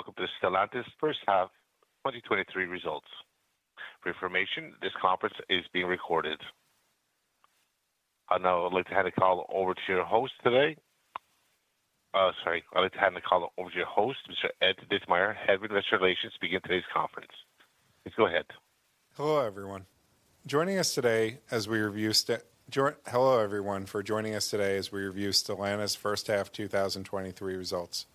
Hello, and welcome to Stellantis first half 2023 results. For information, this conference is being recorded. Now I'd like to hand the call over to your host today. Sorry, I'd like to hand the call over to your host, Mr. Ed Ditmire, Head of Investor Relations, to begin today's conference. Please go ahead. Hello, everyone, for joining us today as we review Stellantis first half 2023 results.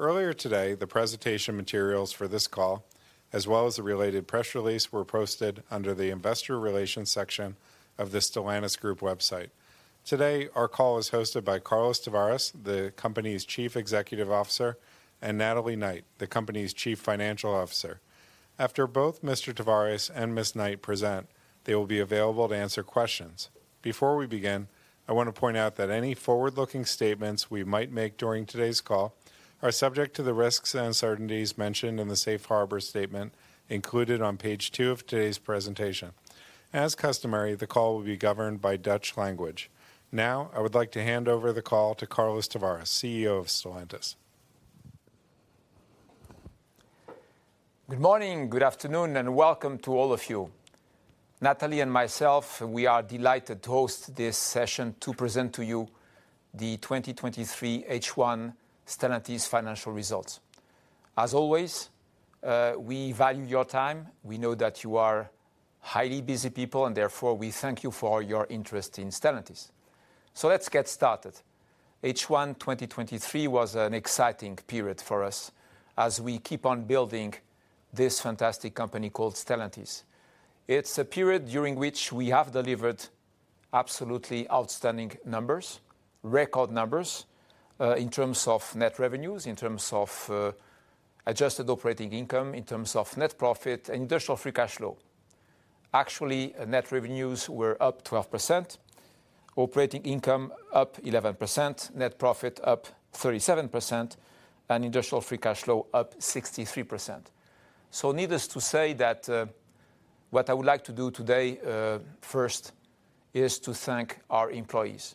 Earlier today, the presentation materials for this call, as well as the related press release, were posted under the Investor Relations section of the Stellantis group website. Today, our call is hosted by Carlos Tavares, the company's Chief Executive Officer, and Natalie Knight, the company's Chief Financial Officer. After both Mr. Tavares and Ms. Knight present, they will be available to answer questions. Before we begin, I want to point out that any forward-looking statements we might make during today's call are subject to the risks and uncertainties mentioned in the safe harbor statement included on page two of today's presentation. As customary, the call will be governed by Dutch law. I would like to hand over the call to Carlos Tavares, CEO of Stellantis. Good morning, good afternoon, welcome to all of you. Natalie and myself, we are delighted to host this session to present to you the 2023 H1 Stellantis financial results. As always, we value your time. We know that you are highly busy people, therefore, we thank you for your interest in Stellantis. Let's get started. H1 2023 was an exciting period for us as we keep on building this fantastic company called Stellantis. It's a period during which we have delivered absolutely outstanding numbers, record numbers, in terms of net revenues, in terms of Adjusted Operating Income, in terms of net profit, and industrial free cash flow. Actually, net revenues were up 12%, operating income up 11%, net profit up 37%, and industrial free cash flow up 63%. Needless to say that, what I would like to do today, first is to thank our employees,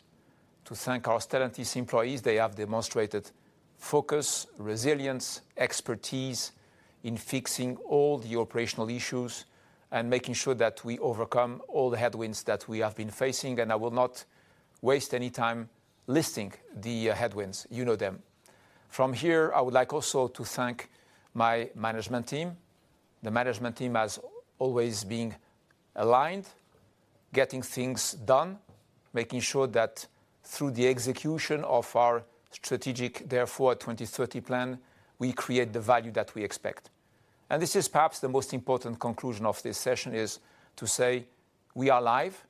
to thank our Stellantis employees. They have demonstrated focus, resilience, expertise in fixing all the operational issues and making sure that we overcome all the headwinds that we have been facing, and I will not waste any time listing the headwinds. You know them. From here, I would like also to thank my management team. The management team has always been aligned, getting things done, making sure that through the execution of our strategic Dare Forward 2030 plan, we create the value that we expect. This is perhaps the most important conclusion of this session, is to say, we are live.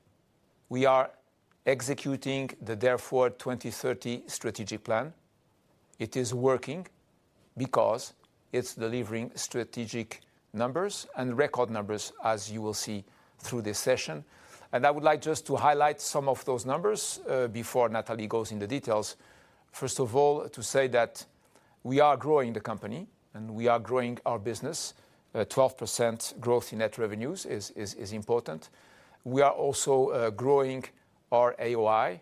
We are executing the Dare Forward 2030 strategic plan. It is working because it's delivering strategic numbers and record numbers, as you will see through this session. I would like just to highlight some of those numbers before Natalie goes into details. First of all, to say that we are growing the company and we are growing our business. 12% growth in net revenues is important. We are also growing our AOI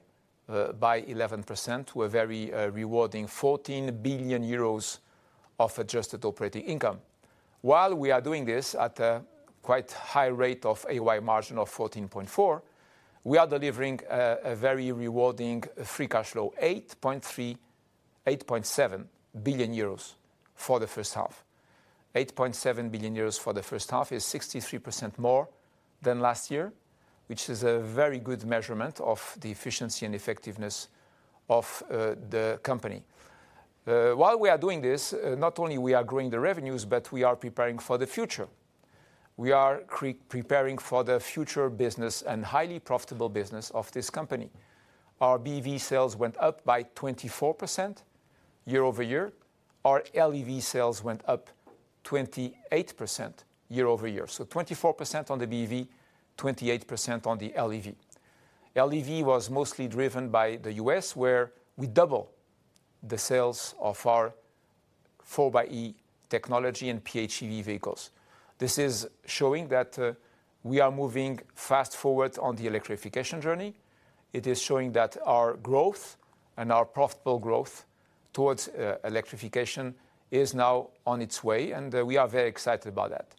by 11% to a very rewarding 14 billion euros of Adjusted Operating Income. While we are doing this at a quite high rate of AOI margin of 14.4%, we are delivering a very rewarding free cash flow, 8.3 billion-8.7 billion euros for the first half. 8.7 billion euros for the first half is 63% more than last year, which is a very good measurement of the efficiency and effectiveness of the company. While we are doing this, not only we are growing the revenues, but we are preparing for the future. We are preparing for the future business and highly profitable business of this company. Our BEV sales went up by 24% year-over-year. Our LEV sales went up 28% year-over-year. So 24% on the BEV, 28% on the LEV. LEV was mostly driven by the U.S., where we double the sales of our 4xe technology and PHEV vehicles. This is showing that we are moving fast forward on the electrification journey. It is showing that our growth and our profitable growth towards electrification is now on its way, and we are very excited about that.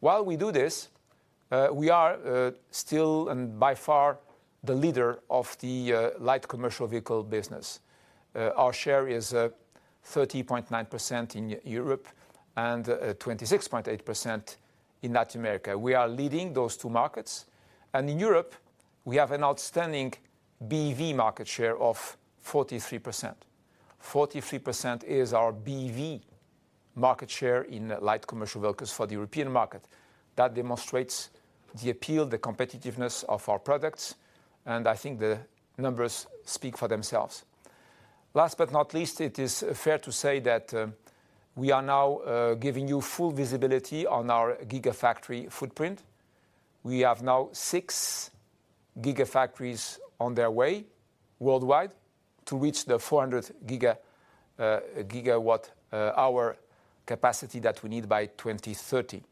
While we do this, we are still and by far, the leader of the light commercial vehicle business. Our share is 30.9% in Europe and 26.8% in Latin America. We are leading those two markets. In Europe, we have an outstanding BEV market share of 43%. 43% is our BEV market share in light commercial vehicles for the European market. That demonstrates the appeal, the competitiveness of our products, and I think the numbers speak for themselves. Last but not least, it is fair to say that we are now giving you full visibility on our gigafactory footprint. We have now six gigafactories on their way worldwide to reach the 400 GWh capacity that we need by 2030.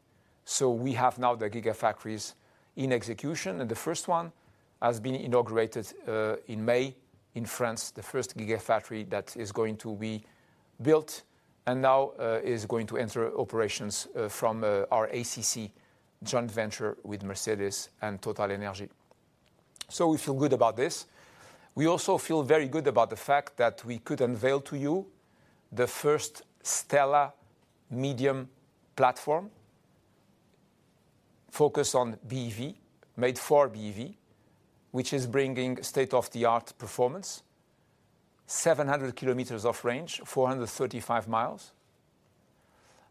We have now the gigafactories in execution, and the first one has been inaugurated in May in France, the first gigafactory that is going to be built and now is going to enter operations from our ACC joint venture with Mercedes and TotalEnergies. We feel good about this. We also feel very good about the fact that we could unveil to you the first STLA Medium platform, focused on BEV, made for BEV, which is bringing state-of-the-art performance, 700 km of range, 435 mi.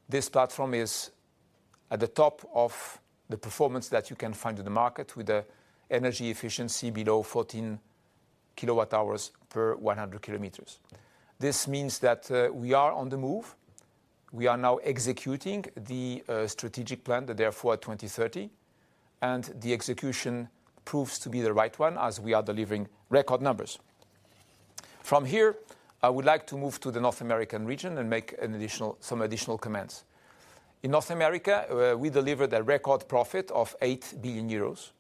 This platform is at the top of the performance that you can find in the market, with the energy efficiency below 14 KWh per 100 km. This means that we are on the move. We are now executing the strategic plan, the Dare Forward 2030. The execution proves to be the right one as we are delivering record numbers. From here, I would like to move to the North American region and make some additional comments. In North America, where we delivered a record profit of 8 billion euros.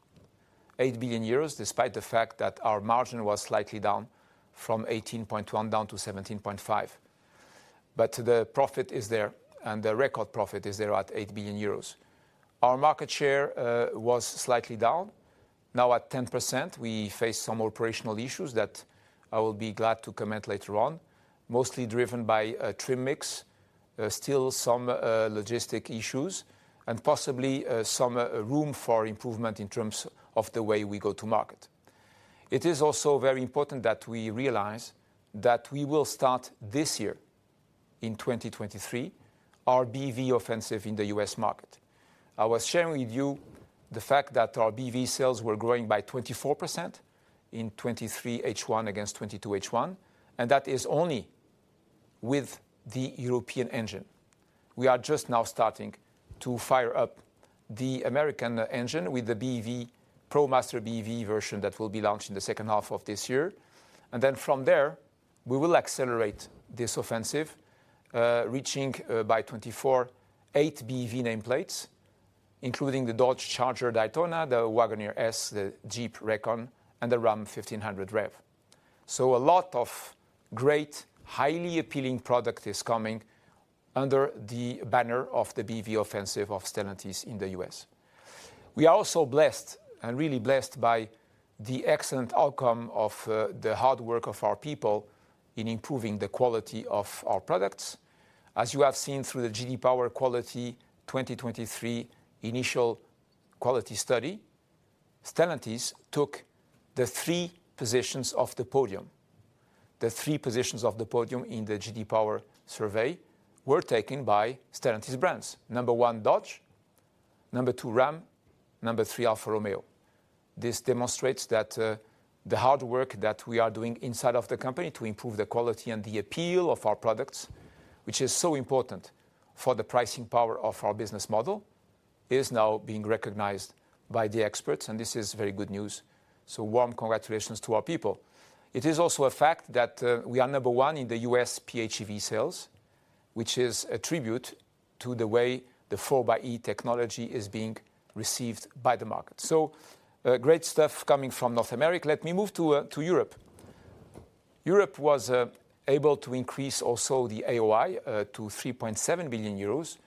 8 billion euros, despite the fact that our margin was slightly down from 18.1% down to 17.5%. The profit is there. The record profit is there at 8 billion euros. Our market share was slightly down, now at 10%. We faced some operational issues that I will be glad to comment later on, mostly driven by trim mix. There are still some logistic issues and possibly some room for improvement in terms of the way we go to market. It is also very important that we realize that we will start this year, in 2023, our BEV offensive in the U.S. market. I was sharing with you the fact that our BEV sales were growing by 24% in 2023 H1 against 2022 H1, and that is only with the European engine. We are just now starting to fire up the American engine with the BEV, ProMaster EV version that will be launched in the second half of this year. From there, we will accelerate this offensive, reaching by 2024, eight BEV nameplates, including the Dodge Charger Daytona, the Wagoneer S, the Jeep Recon, and the Ram 1500 REV. So a lot of great, highly appealing product is coming under the banner of the BEV offensive of Stellantis in the U.S. We are also blessed, and really blessed by the excellent outcome of the hard work of our people in improving the quality of our products. As you have seen through the J.D. Power Quality 2023 initial quality study, Stellantis took the three positions of the podium. The three positions of the podium in the J.D. Power survey were taken by Stellantis brands. Number one, Dodge. Number two, Ram. Number three, Alfa Romeo. This demonstrates that the hard work that we are doing inside of the company to improve the quality and the appeal of our products, which is so important for the pricing power of our business model, is now being recognized by the experts, and this is very good news. Warm congratulations to our people. It is also a fact that we are number one in the U.S. PHEV sales, which is a tribute to the way the 4xe technology is being received by the market. Great stuff coming from North America. Let me move to Europe. Europe was able to increase also the AOI to 3.7 billion euros,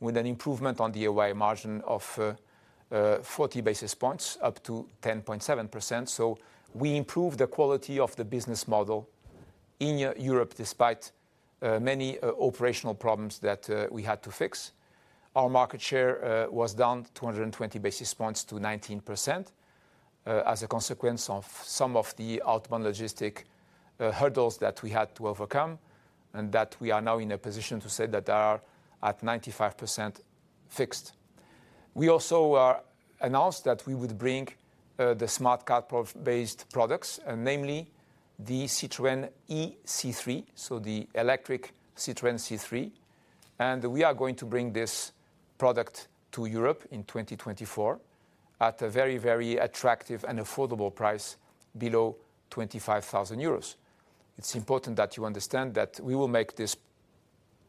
with an improvement on the AOI margin of 40 basis points, up to 10.7%. We improved the quality of the business model in Europe, despite many operational problems that we had to fix. Our market share was down 220 basis points to 19% as a consequence of some of the outbound logistic hurdles that we had to overcome, and that we are now in a position to say that they are at 95% fixed. We also announced that we would bring the Smart Car based products, namely, the Citroën ë-C3, so the electric Citroën C3. We are going to bring this product to Europe in 2024 at a very, very attractive and affordable price below 25,000 euros. It's important that you understand that we will make this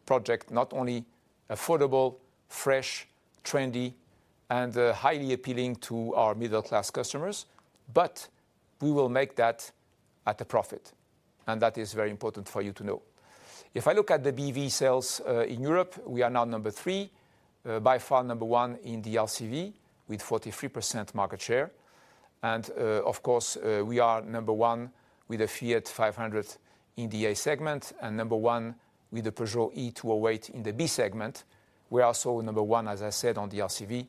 project not only affordable, fresh, trendy, and highly appealing to our middle-class customers, but we will make that at a profit. That is very important for you to know. If I look at the BEV sales in Europe, we are now number three by far, number one in the LCV, with 43% market share. Of course, we are number one with the Fiat 500 in the A segment, and number one with the Peugeot e-208 in the B segment. We are also number one, as I said, on the LCV.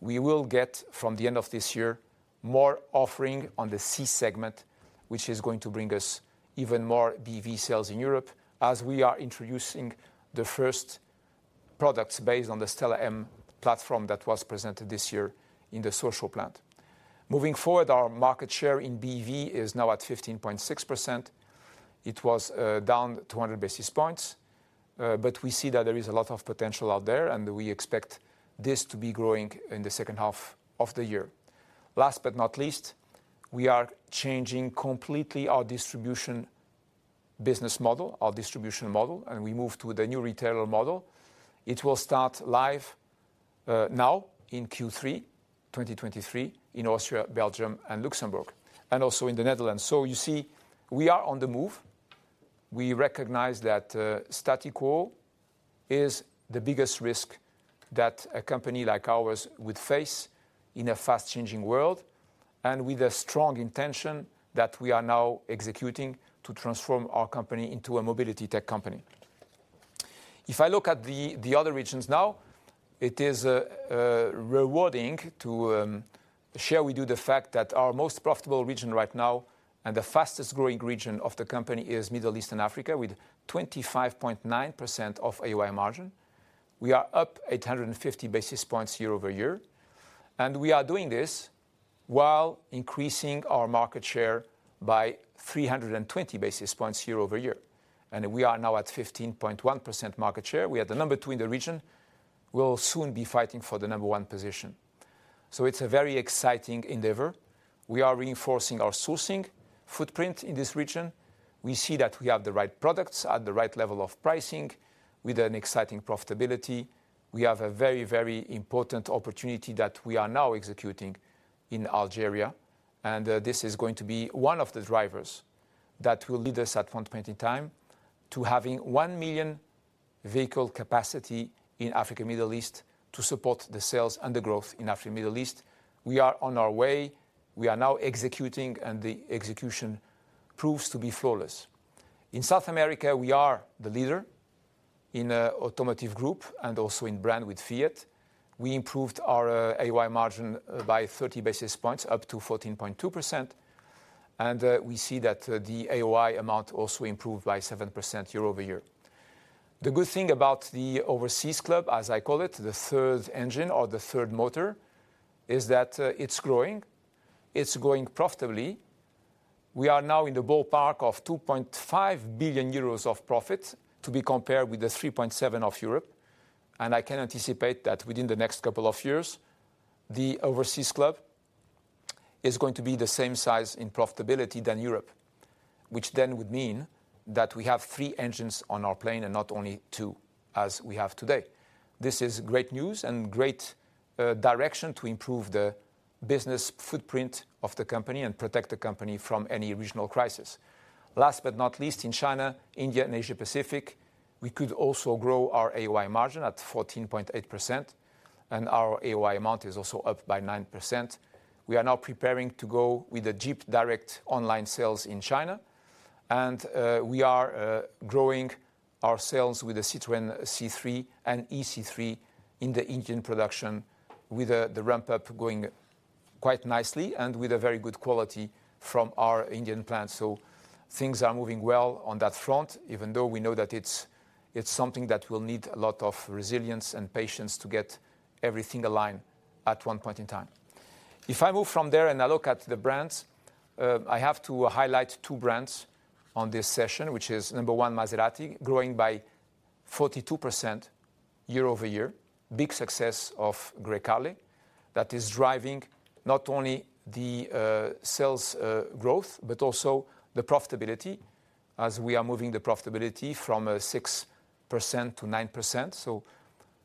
We will get, from the end of this year, more offering on the C segment, which is going to bring us even more BEV sales in Europe as we are introducing the first products based on the STLA-M platform that was presented this year in the Sochaux plant. Moving forward, our market share in BEV is now at 15.6%. It was down 200 basis points, we see that there is a lot of potential out there, and we expect this to be growing in the second half of the year. Last but not least, we are changing completely our business model, our distribution model, and we moved to the new retailer model. It will start live now in Q3 2023 in Austria, Belgium, and Luxembourg, and also in the Netherlands. You see, we are on the move. We recognize that status quo is the biggest risk that a company like ours would face in a fast-changing world, and with a strong intention that we are now executing to transform our company into a mobility tech company. If I look at the other regions now, it is rewarding to share with you the fact that our most profitable region right now, and the fastest growing region of the company is Middle East and Africa, with 25.9% of AOI margin. We are up 850 basis points year-over-year. We are doing this while increasing our market share by 320 basis points year-over-year. We are now at 15.1% market share. We are the number two in the region. We'll soon be fighting for the number one position. It's a very exciting endeavor. We are reinforcing our sourcing footprint in this region. We see that we have the right products at the right level of pricing with an exciting profitability. We have a very, very important opportunity that we are now executing in Algeria, and this is going to be one of the drivers that will lead us at one point in time to having 1 million vehicle capacity in Africa, Middle East, to support the sales and the growth in Africa, Middle East. We are on our way. We are now executing, and the execution proves to be flawless. In South America, we are the leader in automotive group and also in brand with Fiat. We improved our AOI margin by 30 basis points, up to 14.2%, and we see that the AOI amount also improved by 7% year-over-year. The good thing about the overseas club, as I call it, the third engine or the third motor, is that it's growing. It's growing profitably. We are now in the ballpark of 2.5 billion euros of profit, to be compared with the 3.7 billion of Europe. I can anticipate that within the next couple of years, the overseas club is going to be the same size in profitability than Europe, which would mean that we have three engines on our plane and not only two, as we have today. This is great news and great direction to improve the business footprint of the company and protect the company from any regional crisis. Last but not least, in China, India, and Asia Pacific, we could also grow our AOI margin at 14.8%, and our AOI amount is also up by 9%. We are now preparing to go with the Jeep direct online sales in China, and we are growing our sales with the Citroën C3 and ë-C3 in the Indian production, with the ramp-up going quite nicely and with a very good quality from our Indian plant. Things are moving well on that front, even though we know that it's something that will need a lot of resilience and patience to get everything aligned at one point in time. If I move from there and I look at the brands, I have to highlight two brands on this session, which is, number one, Maserati, growing by 42% year-over-year. Big success of Grecale that is driving not only the sales growth, but also the profitability, as we are moving the profitability from 6%-9%.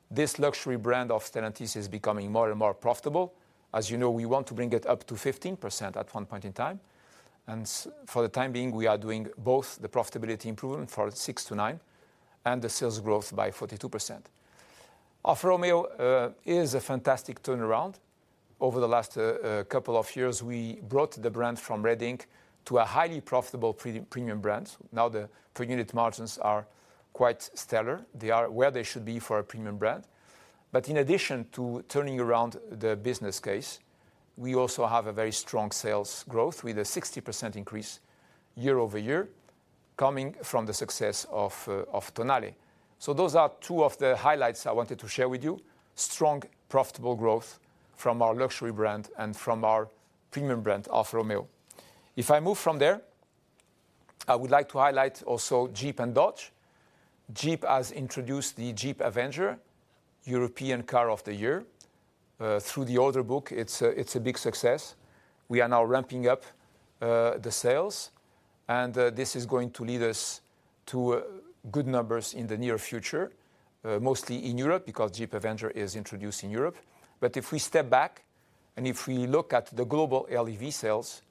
This luxury brand of Stellantis is becoming more and more profitable. As you know, we want to bring it up to 15% at one point in time, and for the time being, we are doing both the profitability improvement for 6%-9% and the sales growth by 42%. Alfa Romeo is a fantastic turnaround. Over the last couple of years, we brought the brand from red ink to a highly profitable pre- premium brand. Now, the per-unit margins are quite stellar. They are where they should be for a premium brand. In addition to turning around the business case, we also have a very strong sales growth with a 60% increase year-over-year coming from the success of Tonale. Those are two of the highlights I wanted to share with you. Strong, profitable growth from our luxury brand and from our premium brand, Alfa Romeo. If I move from there, I would like to highlight also Jeep and Dodge. Jeep has introduced the Jeep Avenger, European Car of the Year. Through the order book, it's a big success. We are now ramping up the sales, and this is going to lead us to good numbers in the near future, mostly in Europe, because Jeep Avenger is introduced in Europe. If we step back and if we look at the global LEV sales,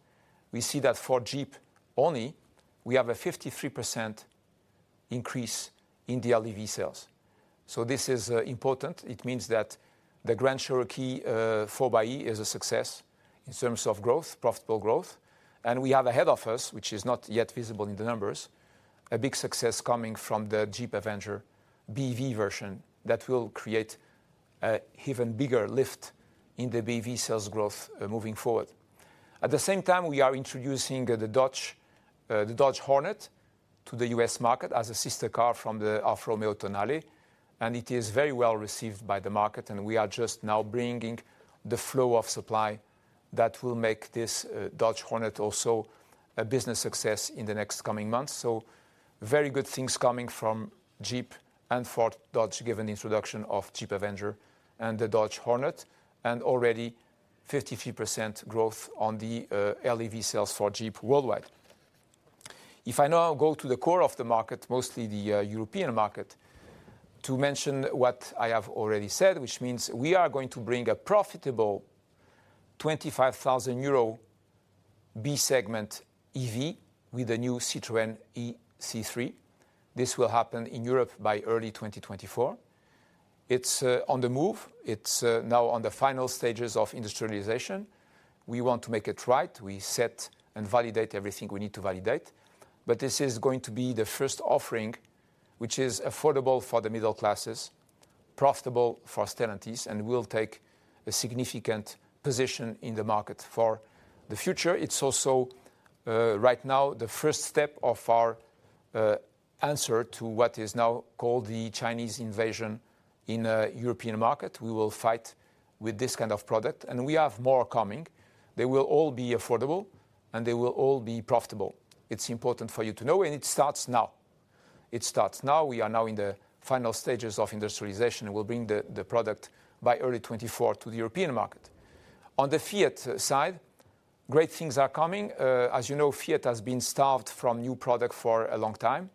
we see that for Jeep only, we have a 53% increase in the LEV sales. This is important. It means that the Grand Cherokee 4xe is a success in terms of growth, profitable growth. We have ahead of us, which is not yet visible in the numbers, a big success coming from the Jeep Avenger BEV version that will create a even bigger lift in the BEV sales growth moving forward. At the same time, we are introducing the Dodge Hornet to the U.S. market as a sister car from the Alfa Romeo Tonale, and it is very well received by the market, and we are just now bringing the flow of supply that will make this Dodge Hornet also a business success in the next coming months. Very good things coming from Jeep and for Dodge, given the introduction of Jeep Avenger and the Dodge Hornet, and 53% growth on the LEV sales for Jeep worldwide. If I now go to the core of the market, mostly the European market, to mention what I have already said, which means we are going to bring a profitable 25,000 euro B-segment EV with the new Citroën ë-C3. This will happen in Europe by early 2024. It's on the move. It's now on the final stages of industrialization. We want to make it right. We set and validate everything we need to validate. This is going to be the first offering, which is affordable for the middle classes, profitable for Stellantis, and will take a significant position in the market for the future. It's also right now, the first step of our answer to what is now called the Chinese invasion in European market. We will fight with this kind of product, and we have more coming. They will all be affordable, they will all be profitable. It's important for you to know, it starts now. It starts now. We are now in the final stages of industrialization, we'll bring the product by early 2024 to the European market. On the Fiat side, great things are coming. As you know, Fiat has been starved from new product for a long time.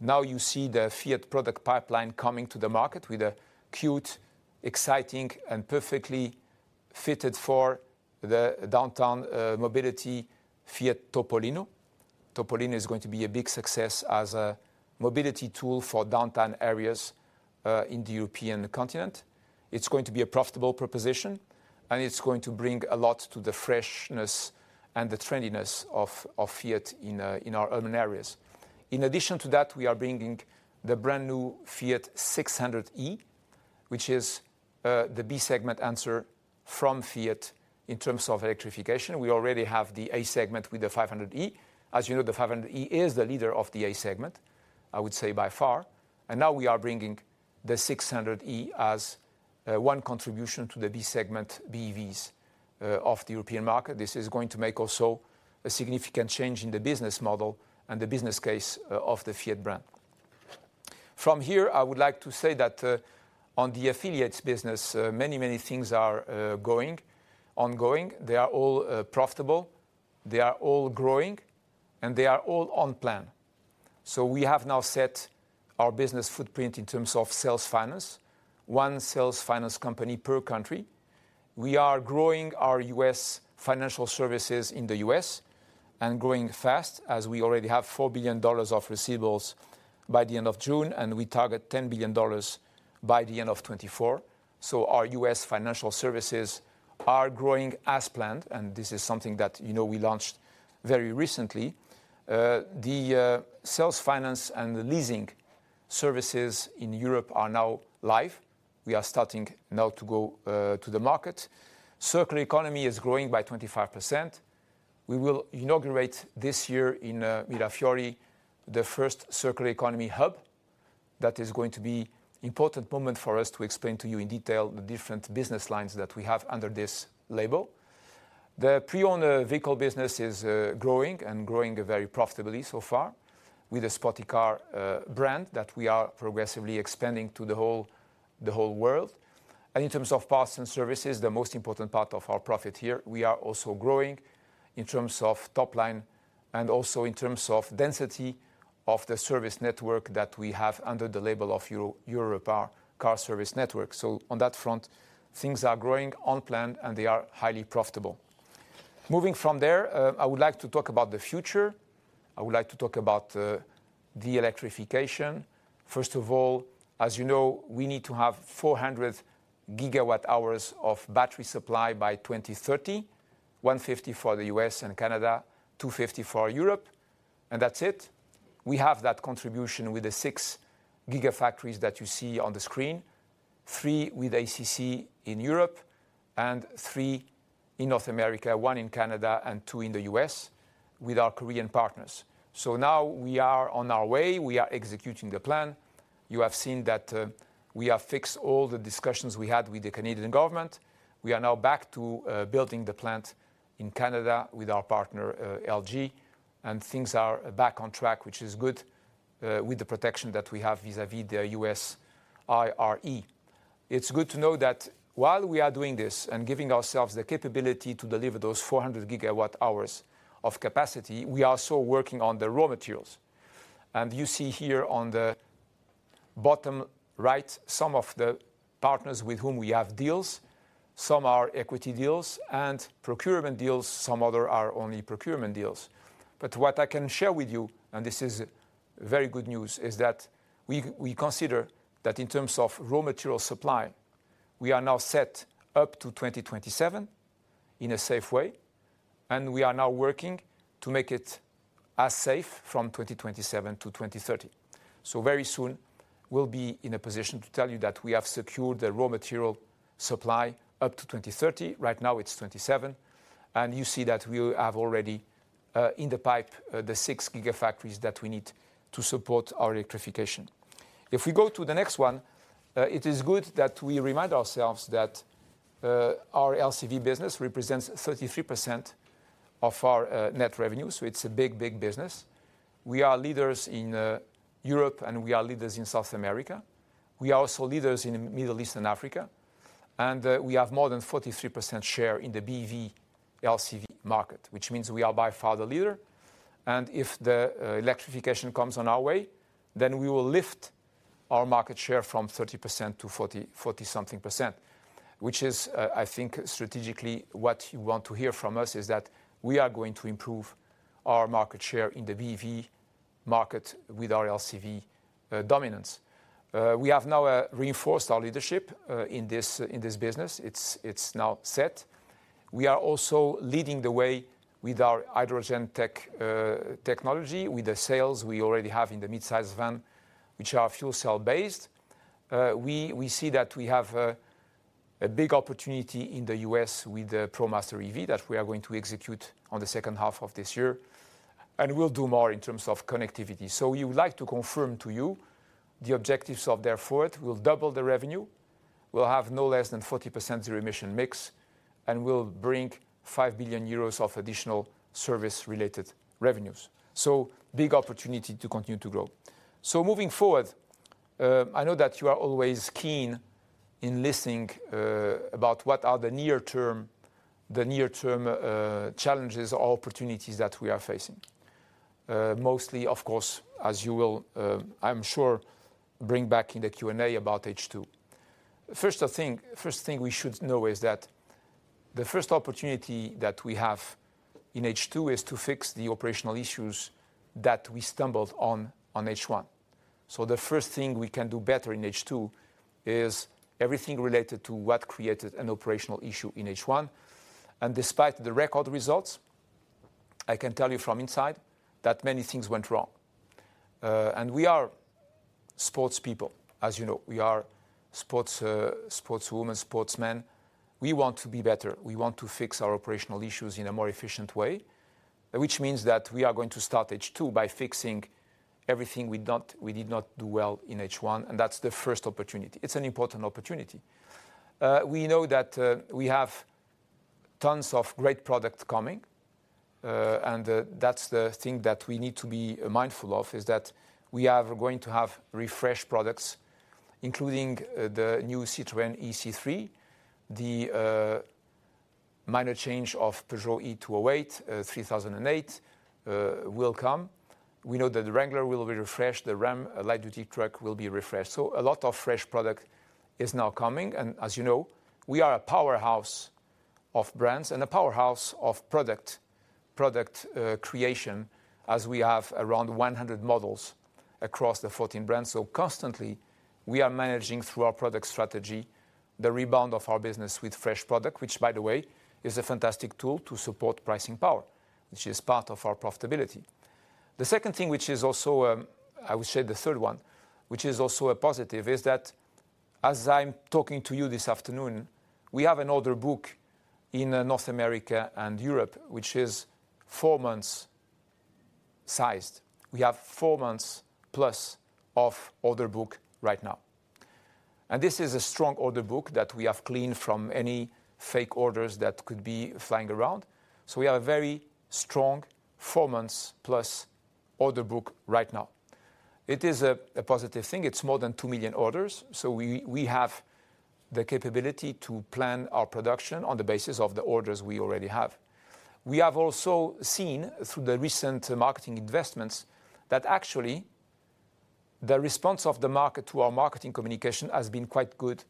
Now you see the Fiat product pipeline coming to the market with a cute, exciting, and perfectly fitted for the downtown mobility Fiat Topolino. Topolino is going to be a big success as a mobility tool for downtown areas in the European continent. It's going to be a profitable proposition, it's going to bring a lot to the freshness and the trendiness of Fiat in our urban areas. In addition to that, we are bringing the brand-new Fiat 600e, which is the B-segment answer from Fiat in terms of electrification. We already have the A-segment with the 500e. As you know, the 500e is the leader of the A-segment, I would say by far, and now we are bringing the 600e as one contribution to the B-segment BEVs of the European market. This is going to make also a significant change in the business model and the business case of the Fiat brand. From here, I would like to say that on the affiliates business, many, many things are ongoing. They are all profitable, they are all growing, and they are all on plan. We have now set our business footprint in terms of sales finance, one sales finance company per country. We are growing our U.S. financial services in the U.S., and growing fast, as we already have $4 billion of receivables by the end of June, and we target $10 billion by the end of 2024. Our U.S. financial services are growing as planned, and this is something that, you know, we launched very recently. The sales finance and the leasing services in Europe are now live. We are starting now to go to the market. Circular economy is growing by 25%. We will inaugurate this year in Mirafiori, the first circular economy hub. That is going to be important moment for us to explain to you in detail the different business lines that we have under this label. The pre-owned vehicle business is growing and growing very profitably so far with the SPOTiCAR brand that we are progressively expanding to the whole, the whole world. In terms of parts and services, the most important part of our profit here, we are also growing in terms of top line and also in terms of density of the service network that we have under the label of Eurorepar Car Service network. On that front, things are growing on plan, and they are highly profitable. Moving from there, I would like to talk about the future. I would like to talk about the electrification. First of all, as you know, we need to have 400 GWh of battery supply by 2030, 150 for the U.S. and Canada, 250 for Europe. That's it. We have that contribution with the six gigafactories that you see on the screen, three with ACC in Europe and three in North America, one in Canada and two in the U.S. with our Korean partners. Now we are on our way. We are executing the plan. You have seen that we have fixed all the discussions we had with the Canadian government. We are now back to building the plant in Canada with our partner, LG, and things are back on track, which is good with the protection that we have vis-à-vis the U.S. IRA. It's good to know that while we are doing this and giving ourselves the capability to deliver those 400 GWh of capacity, we are also working on the raw materials. You see here on the bottom right, some of the partners with whom we have deals. Some are equity deals and procurement deals, some other are only procurement deals. What I can share with you, and this is very good news, is that we consider that in terms of raw material supply, we are now set up to 2027 in a safe way, and we are now working to make it as safe from 2027 to 2030. Very soon, we'll be in a position to tell you that we have secured the raw material supply up to 2030. Right now, it's 2027, and you see that we have already in the pipe, the six gigafactories that we need to support our electrification. If we go to the next one, it is good that we remind ourselves that our LCV business represents 33% of our net revenues, so it's a big, big business. We are leaders in Europe, we are leaders in South America. We are also leaders in the Middle East and Africa, we have more than 43% share in the BEV LCV market, which means we are by far the leader. If the electrification comes on our way, we will lift our market share from 30%-40-something%, which is, I think strategically, what you want to hear from us is that we are going to improve our market share in the BEV market with our LCV dominance. We have now reinforced our leadership in this business. It's now set. We are also leading the way with our hydrogen tech technology, with the sales we already have in the mid-size van, which are fuel cell-based. We see that we have a big opportunity in the U.S. with the ProMaster EV that we are going to execute on the second half of this year. We'll do more in terms of connectivity. We would like to confirm to you the objectives of Dare Forward. We'll double the revenue. We'll have no less than 40% zero emission mix. We'll bring 5 billion euros of additional service-related revenues. Big opportunity to continue to grow. Moving forward, I know that you are always keen in listening about what are the near-term challenges or opportunities that we are facing. Mostly, of course, as you will, I'm sure, bring back in the Q&A about H2. First, I think, first thing we should know is that the first opportunity that we have in H2 is to fix the operational issues that we stumbled on H1. The first thing we can do better in H2 is everything related to what created an operational issue in H1. Despite the record results, I can tell you from inside that many things went wrong. We are sports people, as you know. We are sports women, sports men. We want to be better. We want to fix our operational issues in a more efficient way, which means that we are going to start H2 by fixing everything we did not do well in H1, and that's the first opportunity. It's an important opportunity. We know that we have tons of great product coming, and that's the thing that we need to be mindful of, is that we are going to have refreshed products, including the new Citroën ë-C3, the minor change of Peugeot e-208, 3008 will come. We know that the Wrangler will be refreshed, the Ram light-duty truck will be refreshed. A lot of fresh product is now coming, and as you know, we are a powerhouse of brands and a powerhouse of product creation, as we have around 100 models across the 14 brands. Constantly, we are managing through our product strategy, the rebound of our business with fresh product, which, by the way, is a fantastic tool to support pricing power, which is part of our profitability. The second thing, which is also, I would say the third one, which is also a positive, is that as I'm talking to you this afternoon, we have an order book in North America and Europe, which is four months sized. We have four months plus of order book right now. This is a strong order book that we have cleaned from any fake orders that could be flying around. We have a very strong four months-plus order book right now. It is a positive thing. It is more than 2 million orders, so we have the capability to plan our production on the basis of the orders we already have. We have also seen through the recent marketing investments that actually the response of the market to our marketing communication has been quite good,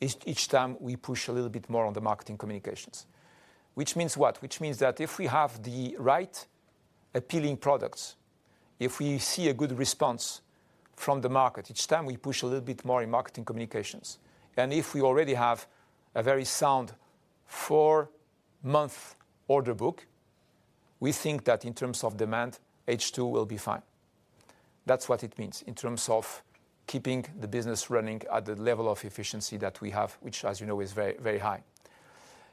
each time we push a little bit more on the marketing communications. Which means what? Which means that if we have the right appealing products, if we see a good response from the market, each time we push a little bit more in marketing communications, and if we already have a very sound four-month order book, we think that in terms of demand, H2 will be fine. That's what it means in terms of keeping the business running at the level of efficiency that we have, which, as you know, is very, very high.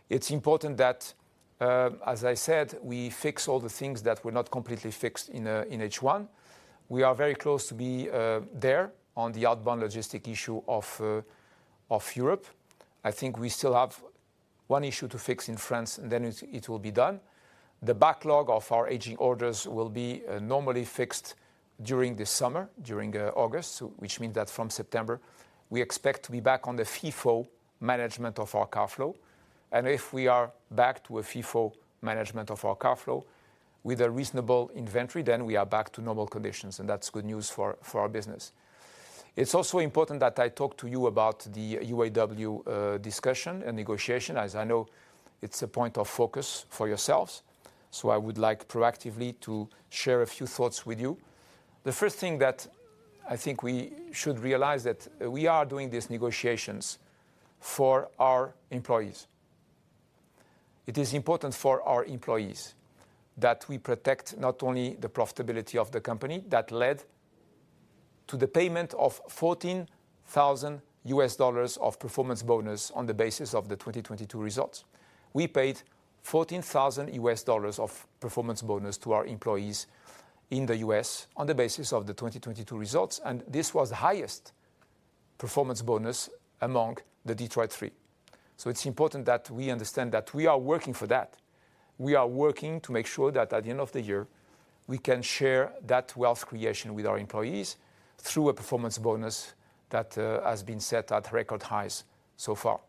It's important that, as I said, we fix all the things that were not completely fixed in H1. We are very close to be there on the outbound logistics issue of Europe. I think we still have one issue to fix in France, and then it will be done. The backlog of our aging orders will be normally fixed during the summer, during August, so which means that from September, we expect to be back on the FIFO management of our car flow. If we are back to a FIFO management of our car flow with a reasonable inventory, then we are back to normal conditions, and that's good news for our business. It's also important that I talk to you about the UAW discussion and negotiation, as I know it's a point of focus for yourselves, so I would like proactively to share a few thoughts with you. The first thing that I think we should realize that we are doing these negotiations for our employees. It is important for our employees that we protect not only the profitability of the company that led to the payment of $14,000 of performance bonus on the basis of the 2022 results. We paid $14,000 of performance bonus to our employees in the U.S. on the basis of the 2022 results, this was the highest performance bonus among the Detroit Three. It's important that we understand that we are working for that. We are working to make sure that at the end of the year, we can share that wealth creation with our employees through a performance bonus that has been set at record highs so far.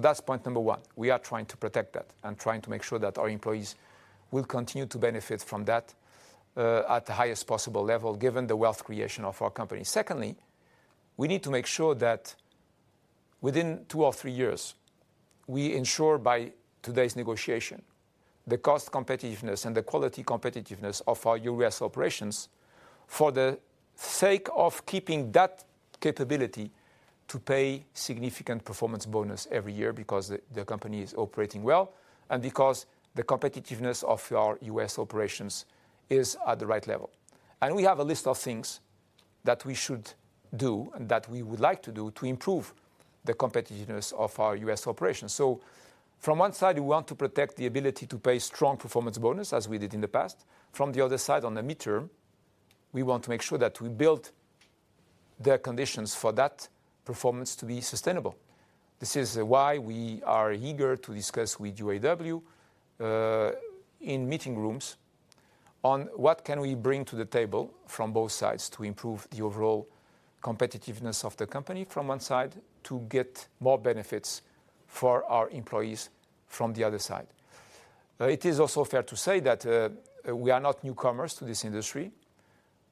That's point number one. We are trying to protect that and trying to make sure that our employees will continue to benefit from that at the highest possible level, given the wealth creation of our company. We need to make sure that within two or three years, we ensure by today's negotiation, the cost competitiveness and the quality competitiveness of our U.S. operations for the sake of keeping that capability to pay significant performance bonus every year, because the company is operating well, and because the competitiveness of our U.S. operations is at the right level. We have a list of things that we should do, and that we would like to do, to improve the competitiveness of our U.S. operations. From one side, we want to protect the ability to pay strong performance bonus, as we did in the past. From the other side, on the midterm, we want to make sure that we build the conditions for that performance to be sustainable. This is why we are eager to discuss with UAW in meeting rooms on what can we bring to the table from both sides to improve the overall competitiveness of the company from one side, to get more benefits for our employees from the other side. It is also fair to say that we are not newcomers to this industry.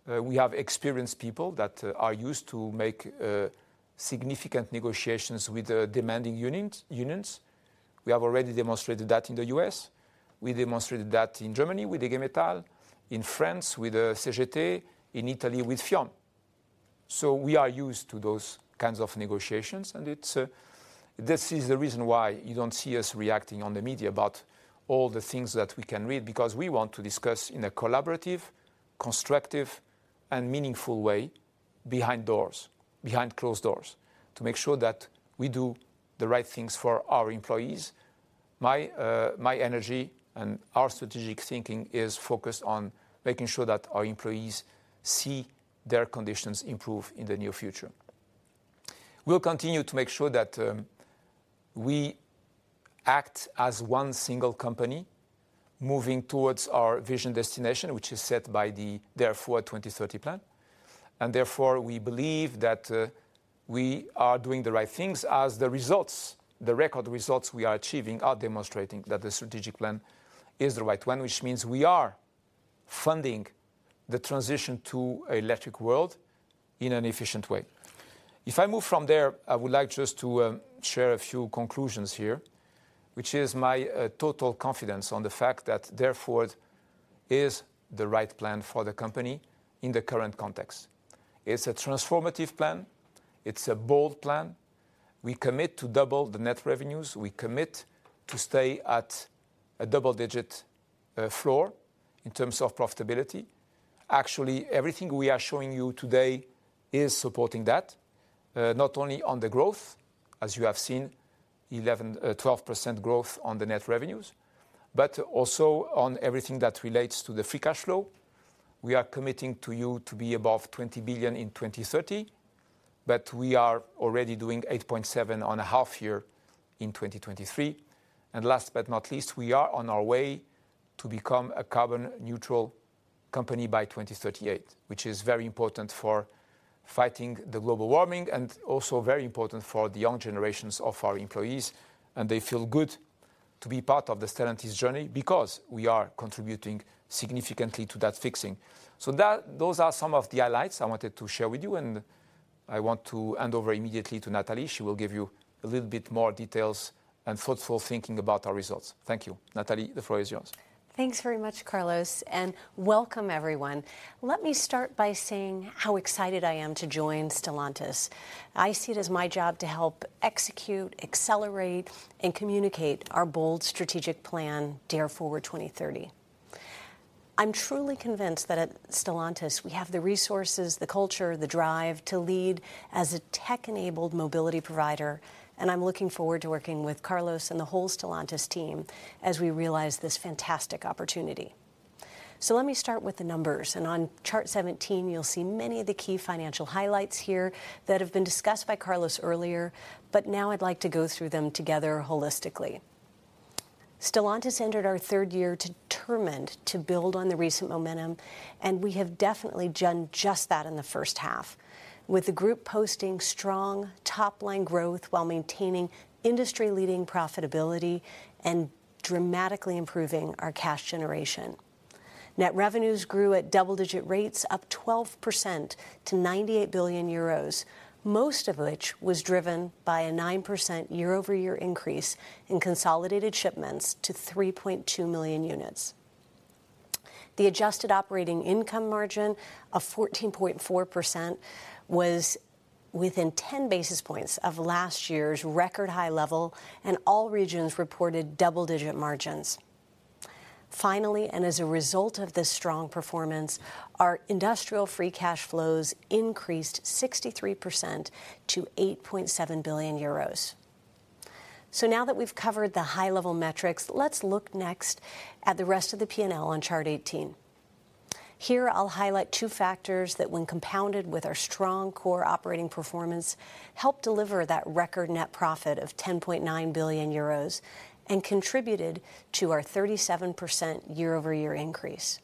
We have experienced people that are used to make significant negotiations with the demanding unions. We have already demonstrated that in the U.S. We demonstrated that in Germany with IG Metall, in France with CGT, in Italy with FIM. We are used to those kinds of negotiations, and it's. This is the reason why you don't see us reacting on the media about all the things that we can read, because we want to discuss in a collaborative, constructive, and meaningful way behind doors, behind closed doors, to make sure that we do the right things for our employees. My energy and our strategic thinking is focused on making sure that our employees see their conditions improve in the near future. We'll continue to make sure that we act as one single company, moving towards our vision destination, which is set by the Dare Forward 2030 plan. We believe that we are doing the right things as the results, the record results we are achieving, are demonstrating that the strategic plan is the right one, which means we are funding the transition to electric world in an efficient way. If I move from there, I would like just to share a few conclusions here, which is my total confidence on the fact that Dare Forward is the right plan for the company in the current context. It's a transformative plan. It's a bold plan. We commit to double the net revenues. We commit to stay at a double-digit floor in terms of profitability. Actually, everything we are showing you today is supporting that, not only on the growth, as you have seen, 11%, 12% growth on the net revenues, but also on everything that relates to the free cash flow. We are committing to you to be above 20 billion in 2030, but we are already doing 8.7 billion on a half year in 2023. Last but not least, we are on our way to become a carbon neutral company by 2038, which is very important for fighting the global warming and also very important for the young generations of our employees, and they feel good to be part of the Stellantis journey because we are contributing significantly to that fixing. Those are some of the highlights I wanted to share with you, and I want to hand over immediately to Natalie. She will give you a little bit more details and thoughtful thinking about our results. Thank you. Natalie, the floor is yours. Thanks very much, Carlos, and welcome, everyone. Let me start by saying how excited I am to join Stellantis. I see it as my job to help execute, accelerate, and communicate our bold strategic plan, Dare Forward 2030. I'm truly convinced that at Stellantis, we have the resources, the culture, the drive to lead as a tech-enabled mobility provider, and I'm looking forward to working with Carlos and the whole Stellantis team as we realize this fantastic opportunity. Let me start with the numbers. On chart 17, you'll see many of the key financial highlights here that have been discussed by Carlos earlier. Now I'd like to go through them together holistically. Stellantis entered our third year determined to build on the recent momentum. We have definitely done just that in the first half, with the group posting strong top-line growth while maintaining industry-leading profitability and dramatically improving our cash generation. Net revenues grew at double-digit rates, up 12% to 98 billion euros, most of which was driven by a 9% year-over-year increase in consolidated shipments to 3.2 million units. The Adjusted Operating Income margin of 14.4% was within 10 basis points of last year's record high level. All regions reported double-digit margins. Finally, as a result of this strong performance, our industrial free cash flows increased 63% to 8.7 billion euros. Now that we've covered the high-level metrics, let's look next at the rest of the P&L on chart 18. Here, I'll highlight two factors that, when compounded with our strong core operating performance, helped deliver that record net profit of 10.9 billion euros and contributed to our 37% year-over-year increase.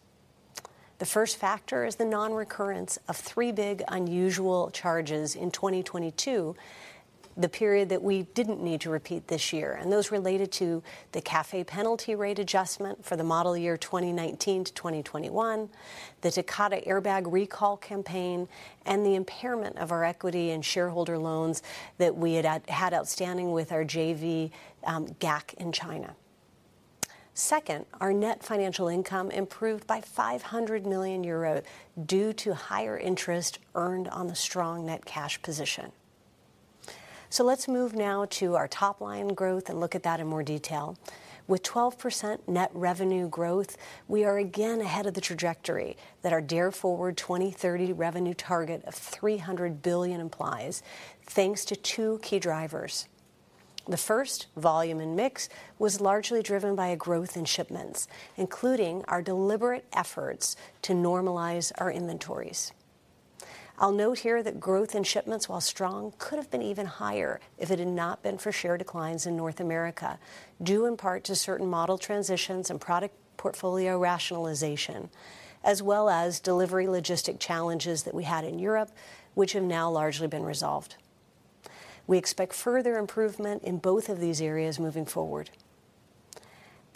The first factor is the non-recurrence of three big unusual charges in 2022, the period that we didn't need to repeat this year, those related to the CAFE penalty rate adjustment for the model year 2019-2021, the Takata airbag recall campaign, and the impairment of our equity and shareholder loans that we had outstanding with our JV, GAC in China. Second, our net financial income improved by 500 million euros due to higher interest earned on the strong net cash position. Let's move now to our top-line growth and look at that in more detail. With 12% net revenue growth, we are again ahead of the trajectory that our Dare Forward 2030 revenue target of 300 billion implies, thanks to two key drivers. The first, volume and mix, was largely driven by a growth in shipments, including our deliberate efforts to normalize our inventories. I'll note here that growth in shipments, while strong, could have been even higher if it had not been for share declines in North America, due in part to certain model transitions and product portfolio rationalization, as well as delivery logistics challenges that we had in Europe, which have now largely been resolved. We expect further improvement in both of these areas moving forward.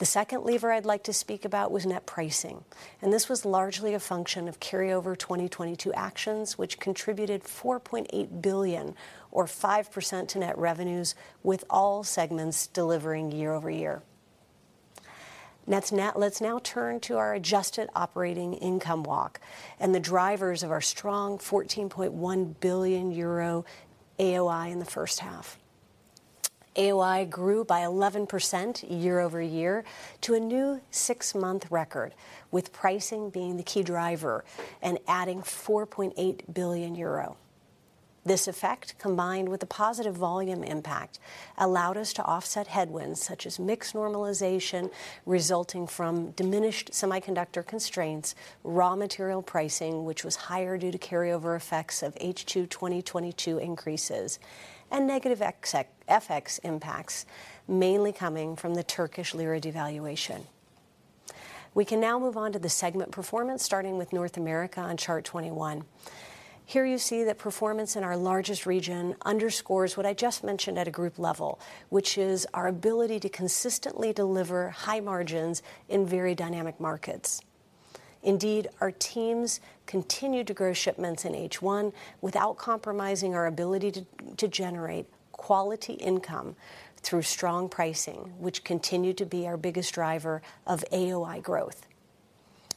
The second lever I'd like to speak about was net pricing. This was largely a function of carryover 2022 actions, which contributed 4.8 billion or 5% to net revenues, with all segments delivering year-over-year. Let's now turn to our Adjusted Operating Income walk and the drivers of our strong 14.1 billion euro AOI in the first half. AOI grew by 11% year-over-year to a new six-month record, with pricing being the key driver and adding 4.8 billion euro. This effect, combined with a positive volume impact, allowed us to offset headwinds such as mix normalization, resulting from diminished semiconductor constraints, raw material pricing, which was higher due to carryover effects of H2 2022 increases, and negative FX impacts, mainly coming from the Turkish lira devaluation. We can now move on to the segment performance, starting with North America on chart 21. Here you see that performance in our largest region underscores what I just mentioned at a group level, which is our ability to consistently deliver high margins in very dynamic markets. Indeed, our teams continued to grow shipments in H1 without compromising our ability to generate quality income through strong pricing, which continued to be our biggest driver of AOI growth.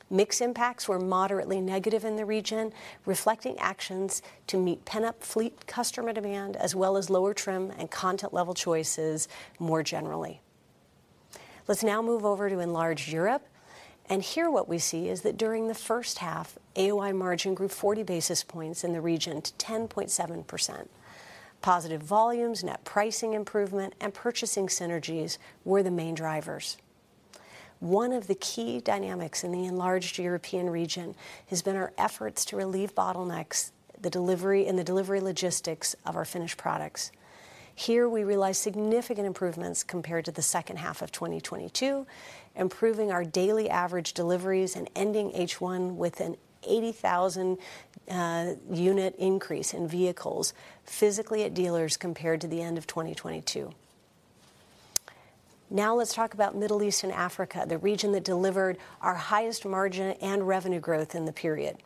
Mix impacts were moderately negative in the region, reflecting actions to meet pent-up fleet customer demand, as well as lower trim and content level choices more generally. Let's now move over to enlarged Europe. Here what we see is that during the first half, AOI margin grew 40 basis points in the region to 10.7%. Positive volumes, net pricing improvement, and purchasing synergies were the main drivers. One of the key dynamics in the enlarged European region has been our efforts to relieve bottlenecks in the delivery logistics of our finished products. Here, we realized significant improvements compared to the second half of 2022, improving our daily average deliveries and ending H1 with an 80,000 unit increase in vehicles physically at dealers compared to the end of 2022. Let's talk about Middle East and Africa, the region that delivered our highest margin and revenue growth in the period.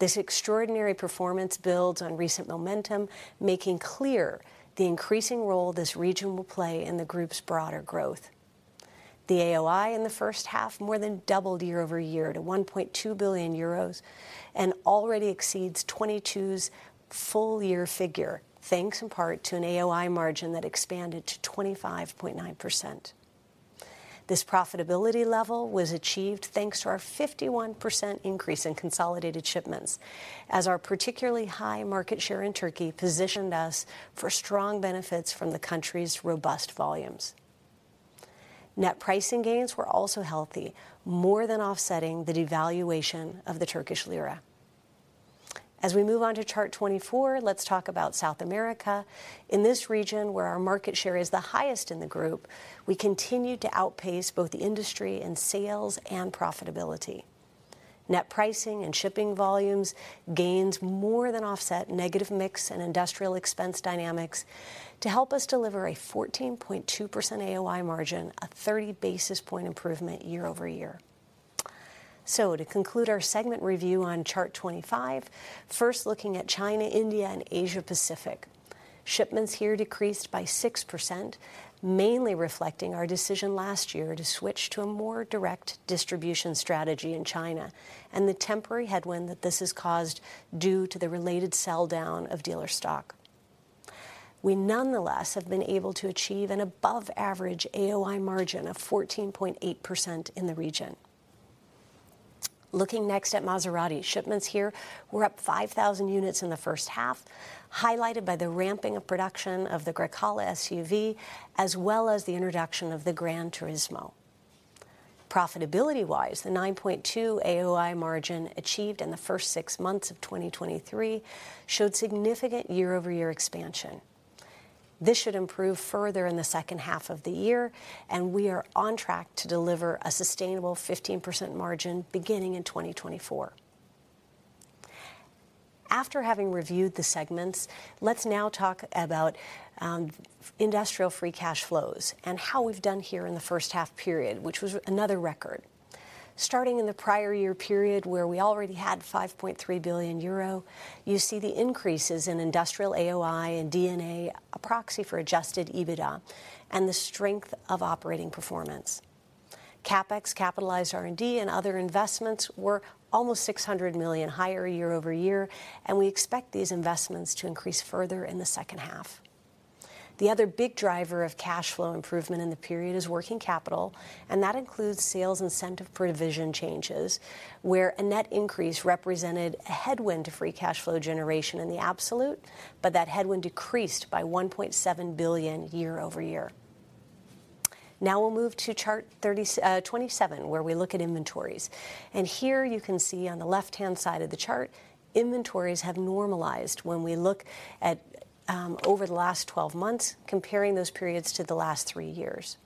This extraordinary performance builds on recent momentum, making clear the increasing role this region will play in the group's broader growth. The AOI in the first half more than doubled year-over-year to 1.2 billion euros and already exceeds 2022's full year figure, thanks in part to an AOI margin that expanded to 25.9%. This profitability level was achieved thanks to our 51% increase in consolidated shipments, as our particularly high market share in Turkey positioned us for strong benefits from the country's robust volumes. Net pricing gains were also healthy, more than offsetting the devaluation of the Turkish lira. As we move on to Chart 24, let's talk about South America. In this region, where our market share is the highest in the group, we continued to outpace both the industry in sales and profitability. Net pricing and shipping volumes gains more than offset negative mix and industrial expense dynamics to help us deliver a 14.2% AOI margin, a 30 basis point improvement year-over-year. To conclude our segment review on chart 25, first looking at China, India, and Asia Pacific. Shipments here decreased by 6%, mainly reflecting our decision last year to switch to a more direct distribution strategy in China and the temporary headwind that this has caused due to the related sell down of dealer stock. We nonetheless have been able to achieve an above average AOI margin of 14.8% in the region. Looking next at Maserati. Shipments here were up 5,000 units in the first half, highlighted by the ramping of production of the Grecale SUV, as well as the introduction of the GranTurismo. Profitability-wise, the 9.2% AOI margin achieved in the first SIX months of 2023 showed significant year-over-year expansion. This should improve further in the second half of the year, and we are on track to deliver a sustainable 15% margin beginning in 2024. After having reviewed the segments, let's now talk about industrial free cash flows and how we've done here in the first half period, which was another record. Starting in the prior year period, where we already had 5.3 billion euro, you see the increases in industrial AOI and D&A, a proxy for adjusted EBITDA, and the strength of operating performance. CapEx, capitalized R&D, and other investments were almost 600 million higher year-over-year, and we expect these investments to increase further in the second half. The other big driver of cash flow improvement in the period is working capital, and that includes sales incentive provision changes, where a net increase represented a headwind to free cash flow generation in the absolute, but that headwind decreased by 1.7 billion year-over-year. Now we'll move to chart 27, where we look at inventories. Here you can see on the left-hand side of the chart, inventories have normalized when we look at, over the last 12 months, comparing those periods to the last three years.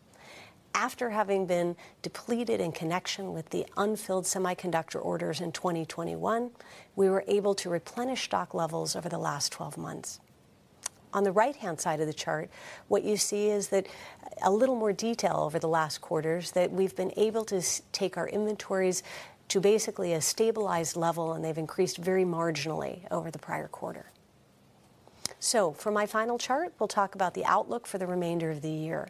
After having been depleted in connection with the unfilled semiconductor orders in 2021, we were able to replenish stock levels over the last 12 months. On the right-hand side of the chart, what you see is that a little more detail over the last quarters, that we've been able to take our inventories to basically a stabilized level, and they've increased very marginally over the prior quarter. For my final chart, we'll talk about the outlook for the remainder of the year.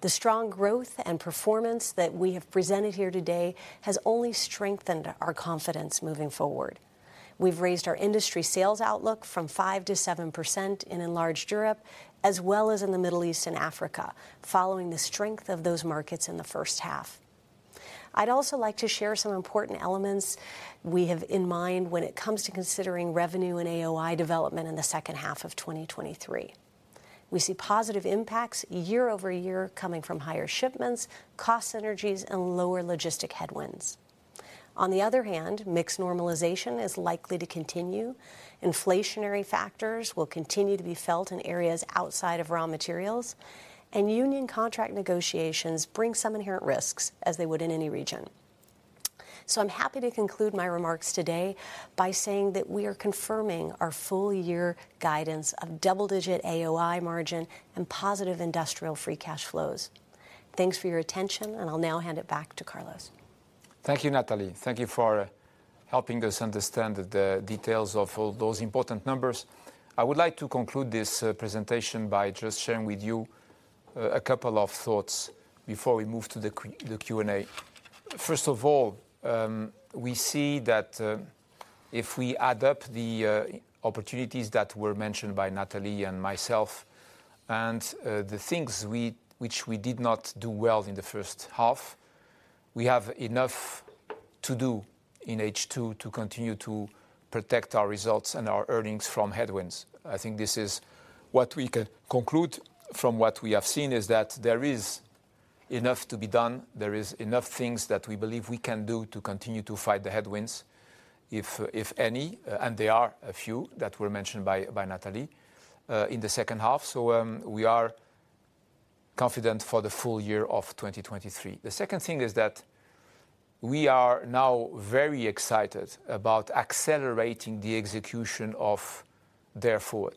The strong growth and performance that we have presented here today has only strengthened our confidence moving forward. We've raised our industry sales outlook from 5%-7% in enlarged Europe, as well as in the Middle East and Africa, following the strength of those markets in the first half. I'd also like to share some important elements we have in mind when it comes to considering revenue and AOI development in the second half of 2023. We see positive impacts year-over-year coming from higher shipments, cost synergies, and lower logistic headwinds. On the other hand, mix normalization is likely to continue. Inflationary factors will continue to be felt in areas outside of raw materials, and union contract negotiations bring some inherent risks as they would in any region. I'm happy to conclude my remarks today by saying that we are confirming our full-year guidance of double-digit AOI margin and positive industrial free cash flows. Thanks for your attention, and I'll now hand it back to Carlos. Thank you, Natalie. Thank you for helping us understand the details of all those important numbers. I would like to conclude this presentation by just sharing with you a couple of thoughts before we move to the Q&A. First of all, we see that if we add up the opportunities that were mentioned by Natalie and myself, and the things which we did not do well in the first half, we have enough to do in H2 to continue to protect our results and our earnings from headwinds. I think this is what we can conclude from what we have seen, is that there is enough to be done, there is enough things that we believe we can do to continue to fight the headwinds, if any, and there are a few that were mentioned by Natalie in the second half. We are confident for the full year of 2023. The second thing is that we are now very excited about accelerating the execution of Dare Forward.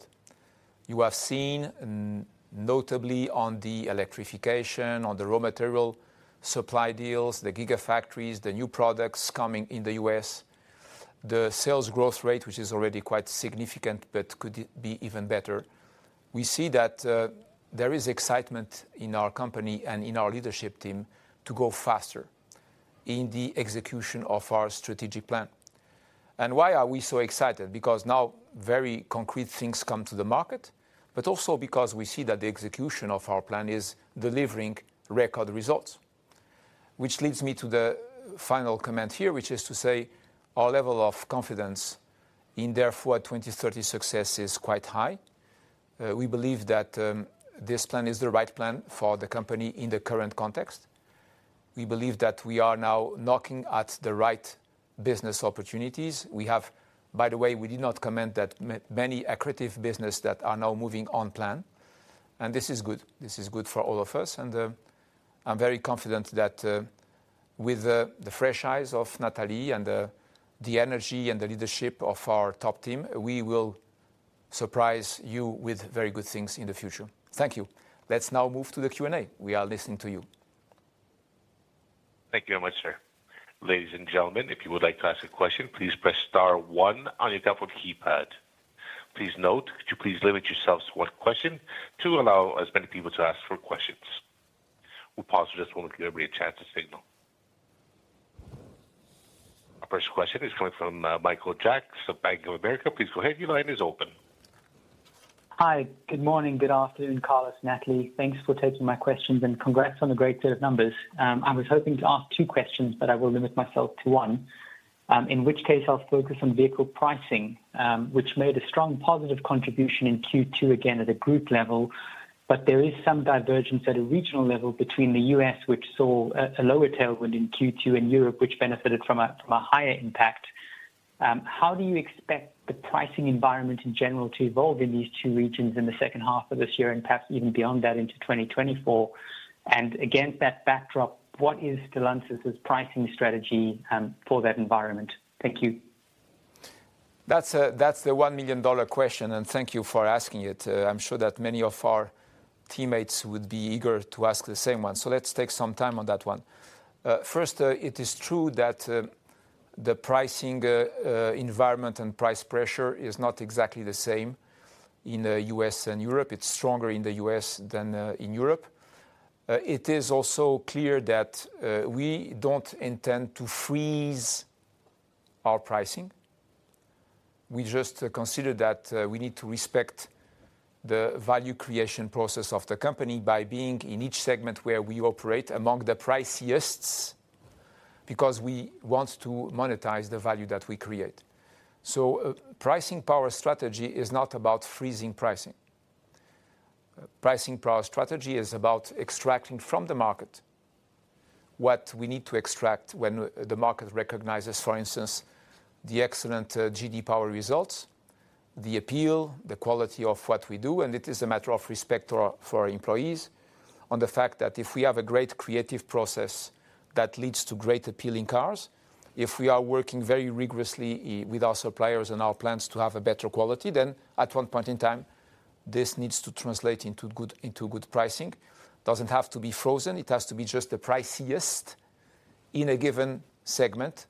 You have seen, notably on the electrification, on the raw material supply deals, the gigafactories, the new products coming in the U.S., the sales growth rate, which is already quite significant but could be even better. We see that there is excitement in our company and in our leadership team to go faster in the execution of our strategic plan. Why are we so excited? Because now, very concrete things come to the market, but also because we see that the execution of our plan is delivering record results. Which leads me to the final comment here, which is to say our level of confidence in Dare Forward 2030 success is quite high. We believe that this plan is the right plan for the company in the current context. We believe that we are now knocking at the right business opportunities. By the way, we did not comment that many accretive business that are now moving on plan, and this is good. This is good for all of us, and I'm very confident that with the fresh eyes of Natalie and the energy and the leadership of our top team, we will surprise you with very good things in the future. Thank you. Let's now move to the Q&A. We are listening to you. Thank you very much, sir. Our first question is coming from Michael Jacks of Bank of America. Please go ahead. Your line is open. Hi, good morning, good afternoon, Carlos, Natalie. Thanks for taking my questions, and congrats on a great set of numbers. I was hoping to ask two questions, but I will limit myself to one, in which case I'll focus on vehicle pricing, which made a strong positive contribution in Q2, again, at a group level. There is some divergence at a regional level between the U.S., which saw a lower tailwind in Q2, and Europe, which benefited from a higher impact. How do you expect the pricing environment in general to evolve in these two regions in the second half of this year and perhaps even beyond that into 2024? Against that backdrop, what is Stellantis' pricing strategy for that environment? Thank you. That's a, that's the $1 million question. Thank you for asking it. I'm sure that many of our teammates would be eager to ask the same one. Let's take some time on that one. First, it is true that, the pricing, environment and price pressure is not exactly the same in, U.S. and Europe. It's stronger in the U.S. than, in Europe. It is also clear that, we don't intend to freeze our pricing. We just consider that, we need to respect the value creation process of the company by being in each segment where we operate among the priciests, because we want to monetize the value that we create. Pricing power strategy is not about freezing pricing. Pricing power strategy is about extracting from the market what we need to extract when the market recognizes, for instance, the excellent J.D. Power results, the appeal, the quality of what we do. It is a matter of respect to our, for our employees on the fact that if we have a great creative process that leads to great appealing cars, if we are working very rigorously with our suppliers and our plants to have a better quality, then at one point in time, this needs to translate into good pricing. Doesn't have to be frozen. It has to be just the priciest in a given segment,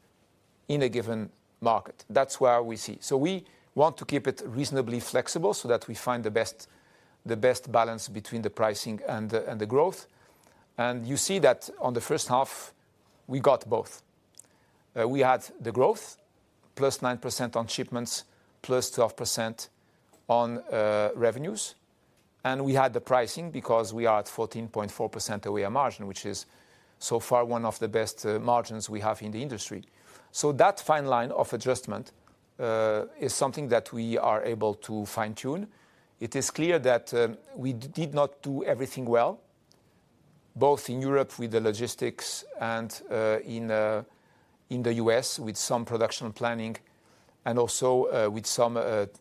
in a given market. That's where we see. We want to keep it reasonably flexible so that we find the best balance between the pricing and the growth. You see that on the first half, we got both. We had the growth, +9% on shipments, +12% on revenues, and we had the pricing because we are at 14.4% AOI margin, which is so far one of the best margins we have in the industry. That fine line of adjustment is something that we are able to fine-tune. It is clear that we did not do everything well, both in Europe with the logistics and in the U.S. with some production planning and also with some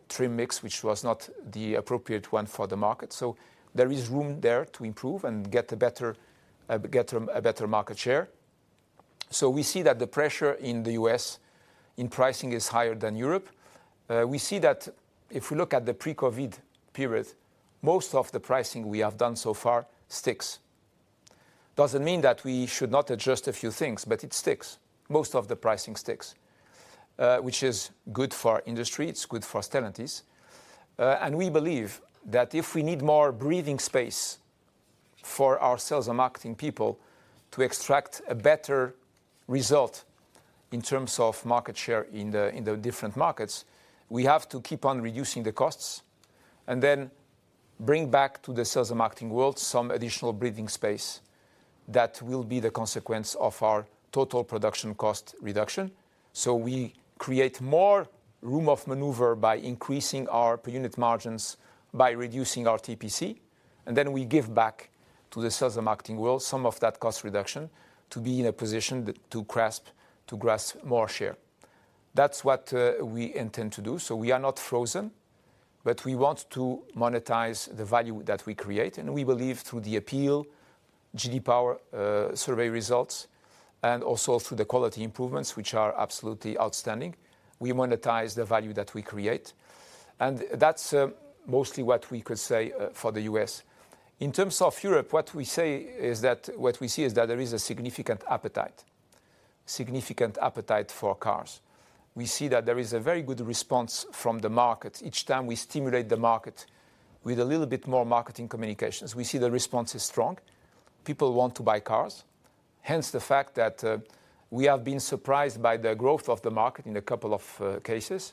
trim mix, which was not the appropriate one for the market. There is room there to improve and get a better market share. We see that the pressure in the U.S. in pricing is higher than Europe. We see that if we look at the pre-COVID period, most of the pricing we have done so far sticks. Doesn't mean that we should not adjust a few things, but it sticks. Most of the pricing sticks, which is good for industry, it's good for Stellantis. We believe that if we need more breathing space for our sales and marketing people to extract a better result in terms of market share in the different markets, we have to keep on reducing the costs and then bring back to the sales and marketing world some additional breathing space that will be the consequence of our total production cost reduction. We create more room of maneuver by increasing our per unit margins, by reducing our TPC, and then we give back to the sales and marketing world some of that cost reduction to be in a position to grasp more share. That's what we intend to do. We are not frozen, but we want to monetize the value that we create, and we believe through the appeal, J.D. Power survey results, and also through the quality improvements, which are absolutely outstanding, we monetize the value that we create. That's mostly what we could say for the U.S. In terms of Europe, what we see is that there is a significant appetite for cars. We see that there is a very good response from the market. Each time we stimulate the market with a little bit more marketing communications, we see the response is strong. People want to buy cars. Hence, the fact that we have been surprised by the growth of the market in a couple of cases.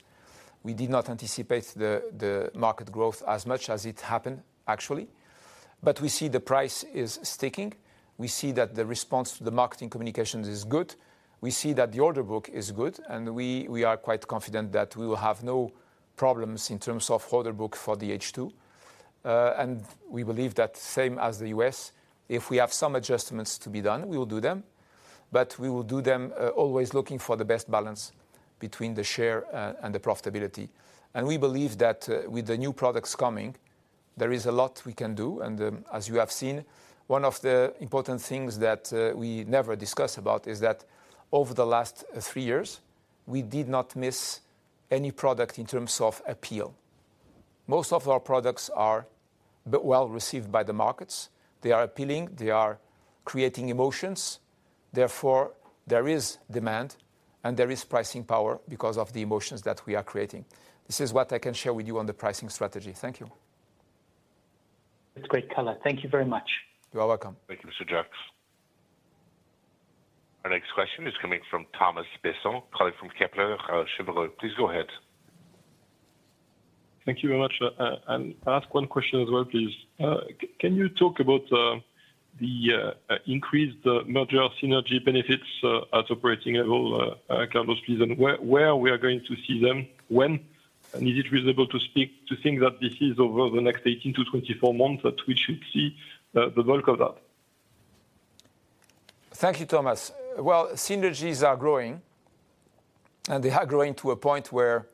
We did not anticipate the market growth as much as it happened, actually, but we see the price is sticking. We see that the response to the marketing communications is good. We see that the order book is good, and we are quite confident that we will have no problems in terms of order book for the H2. We believe that same as the U.S., if we have some adjustments to be done, we will do them, but we will do them always looking for the best balance between the share and the profitability. We believe that, with the new products coming, there is a lot we can do. As you have seen, one of the important things that we never discuss about is that over the last three years, we did not miss any product in terms of appeal. Most of our products are well-received by the markets. They are appealing, they are creating emotions, therefore, there is demand and there is pricing power because of the emotions that we are creating. This is what I can share with you on the pricing strategy. Thank you. That's great, Carlos. Thank you very much. You are welcome. Thank you, Mr. Jacks. Our next question is coming from Thomas Besson, colleague from Kepler Cheuvreux. Please go ahead. Thank you very much. I'll ask one question as well, please. Can you talk about the increased merger synergy benefits at operating level, Carlos, please, and where we are going to see them, when? Is it reasonable to think that this is over the next 18-24 months, that we should see the bulk of that? Thank you, Thomas. Synergies are growing, and they are growing to a point where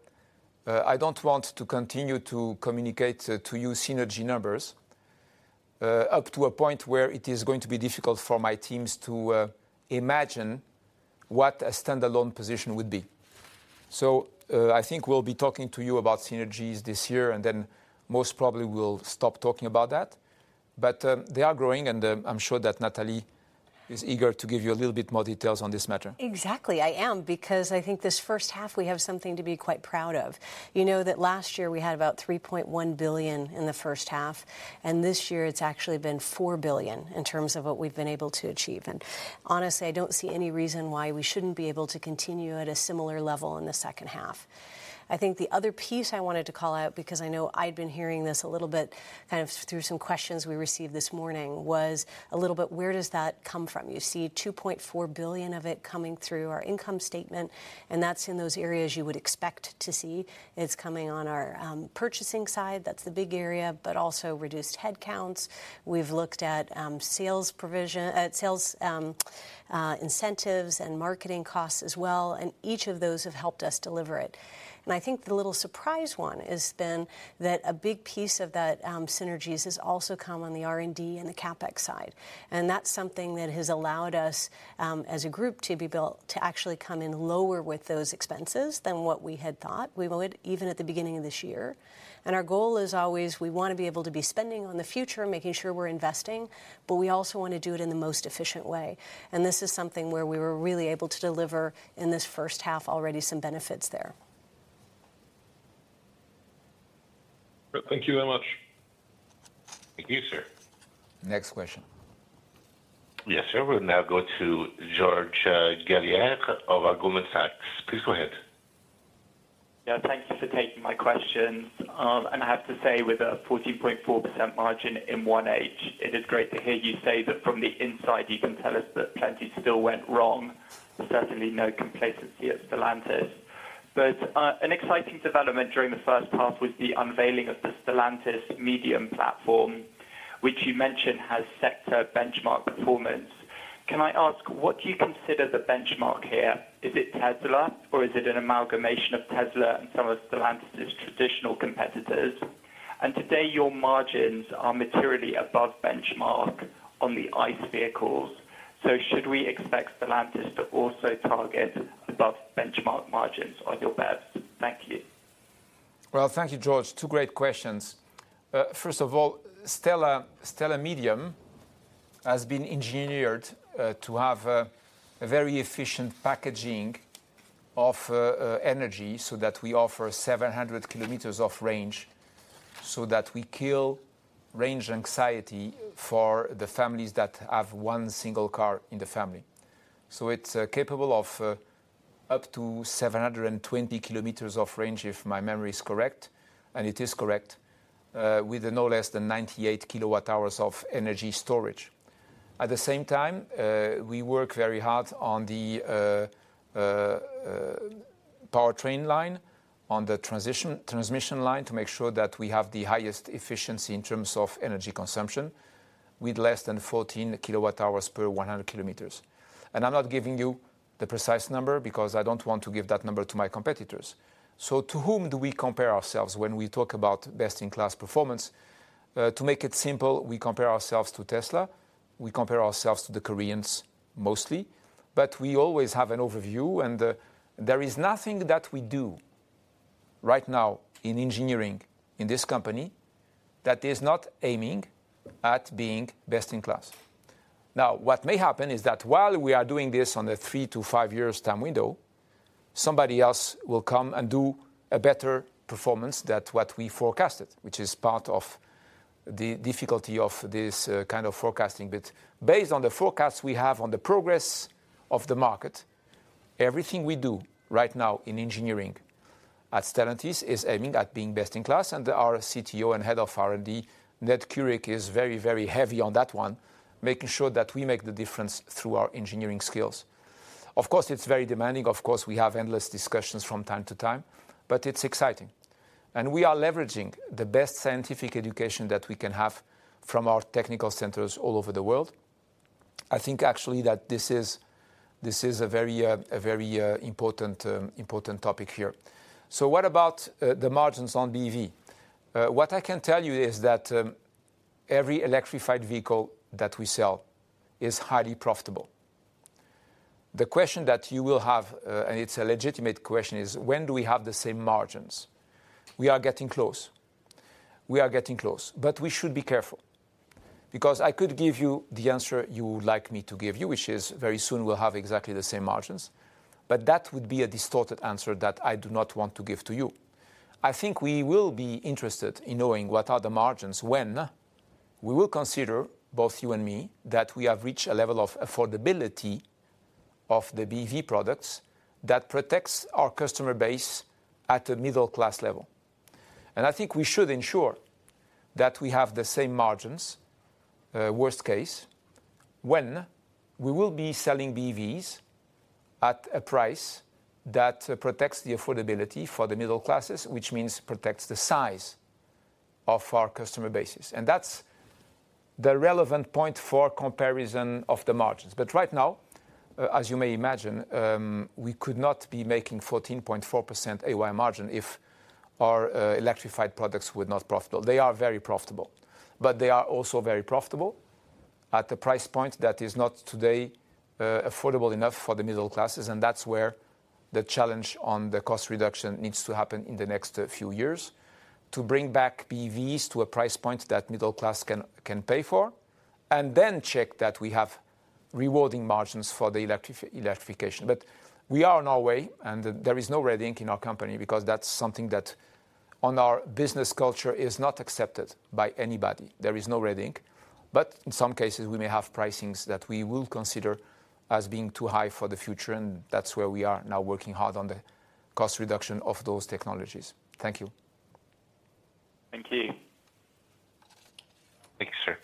I don't want to continue to communicate to you synergy numbers up to a point where it is going to be difficult for my teams to imagine what a standalone position would be. I think we'll be talking to you about synergies this year, most probably we'll stop talking about that. They are growing, and I'm sure that Natalie is eager to give you a little bit more details on this matter. Exactly, I am, because I think this first half, we have something to be quite proud of. You know that last year we had about 3.1 billion in the first half, and this year it's actually been 4 billion in terms of what we've been able to achieve. Honestly, I don't see any reason why we shouldn't be able to continue at a similar level in the second half. I think the other piece I wanted to call out, because I know I'd been hearing this a little bit, kind of through some questions we received this morning, was a little bit, where does that come from? You see 2.4 billion of it coming through our income statement, and that's in those areas you would expect to see. It's coming on our purchasing side, that's the big area, but also reduced headcounts. We've looked at sales incentives and marketing costs as well, and each of those have helped us deliver it. I think the little surprise one has been that a big piece of that synergies has also come on the R&D and the CapEx side. That's something that has allowed us, as a group, to be built, to actually come in lower with those expenses than what we had thought we would, even at the beginning of this year. Our goal is always, we want to be able to be spending on the future, making sure we're investing, but we also want to do it in the most efficient way. This is something where we were really able to deliver in this first half already some benefits there. Thank you very much. Thank you, sir. Next question. Yes, sir. We'll now go to George Galliers of Goldman Sachs. Please go ahead. Yeah, thank you for taking my questions. I have to say, with a 14.4% margin in 1H, it is great to hear you say that from the inside, you can tell us that plenty still went wrong. Certainly no complacency at Stellantis. An exciting development during the first half was the unveiling of the STLA Medium platform, which you mentioned has set a benchmark performance. Can I ask, what do you consider the benchmark here? Is it Tesla, or is it an amalgamation of Tesla and some of Stellantis' traditional competitors? Today, your margins are materially above benchmark on the ICE vehicles. Should we expect Stellantis to also target above benchmark margins on your BEVs? Thank you. Thank you, George. Two great questions. First of all, STLA Medium has been engineered to have a very efficient packaging of energy, so that we offer 700 km of range, so that we kill range anxiety for the families that have one single car in the family. It's capable of up to 720 km of range, if my memory is correct, and it is correct, with no less than 98 kWh of energy storage. At the same time, we work very hard on the powertrain line, on the transmission line, to make sure that we have the highest efficiency in terms of energy consumption, with less than 14 kWh per 100 km. I'm not giving you the precise number, because I don't want to give that number to my competitors. To whom do we compare ourselves when we talk about best in class performance? To make it simple, we compare ourselves to Tesla. We compare ourselves to the Koreans, mostly. We always have an overview, and there is nothing that we do right now in engineering in this company that is not aiming at being best in class. What may happen is that while we are doing this on a three to five years time window, somebody else will come and do a better performance than what we forecasted, which is part of the difficulty of this kind of forecasting. Based on the forecast we have on the progress of the market, everything we do right now in engineering at Stellantis is aiming at being best in class, and our CTO and head of R&D, Ned Curic, is very, very heavy on that one, making sure that we make the difference through our engineering skills. Of course, it's very demanding. Of course, we have endless discussions from time to time, but it's exciting. We are leveraging the best scientific education that we can have from our technical centers all over the world. I think actually that this is a very, a very important topic here. What about the margins on BEV? What I can tell you is that every electrified vehicle that we sell is highly profitable. The question that you will have, and it's a legitimate question, is when do we have the same margins? We are getting close. We should be careful, because I could give you the answer you would like me to give you, which is very soon we'll have exactly the same margins, but that would be a distorted answer that I do not want to give to you. I think we will be interested in knowing what are the margins when- we will consider, both you and me, that we have reached a level of affordability of the BEV products that protects our customer base at a middle-class level. I think we should ensure that we have the same margins, worst case, when we will be selling BEVs at a price that protects the affordability for the middle classes, which means protects the size of our customer bases. That's the relevant point for comparison of the margins. Right now, as you may imagine, we could not be making 14.4% AOI margin if our electrified products were not profitable. They are very profitable, but they are also very profitable at a price point that is not today affordable enough for the middle classes, and that's where the challenge on the cost reduction needs to happen in the next few years, to bring back BEVs to a price point that middle class can pay for, and then check that we have rewarding margins for the electrification. We are on our way, and there is no red ink in our company because that's something that, on our business culture, is not accepted by anybody. There is no red ink, but in some cases, we may have pricings that we will consider as being too high for the future, and that's where we are now working hard on the cost reduction of those technologies. Thank you. Thank you. Thank you, sir.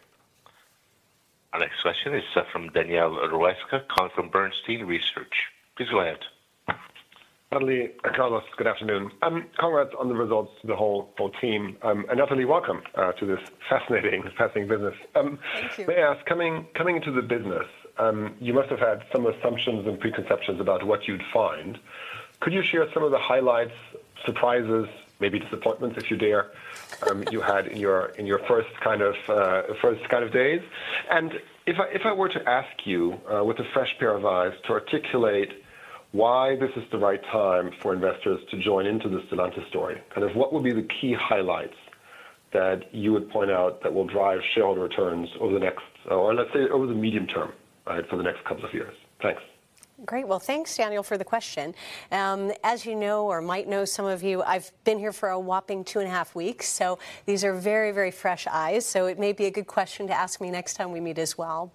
Our next question is from Daniel Roeska, calling from Bernstein Research. Please go ahead. Natalie, Carlos, good afternoon. Congrats on the results to the whole team, and Natalie, welcome to this fascinating business. Thank you. May I ask, coming into the business, you must have had some assumptions and preconceptions about what you'd find. Could you share some of the highlights, surprises, maybe disappointments, if you dare, you had in your first kind of days? If I were to ask you with a fresh pair of eyes, to articulate why this is the right time for investors to join into the Stellantis story, kind of what would be the key highlights that you would point out that will drive shareholder returns over the next, or let's say, over the medium term for the next couple of years? Thanks. Great. Well, thanks, Daniel, for the question. As you know, or might know, some of you, I've been here for a whopping two and a half weeks, these are very, very fresh eyes. It may be a good question to ask me next time we meet as well.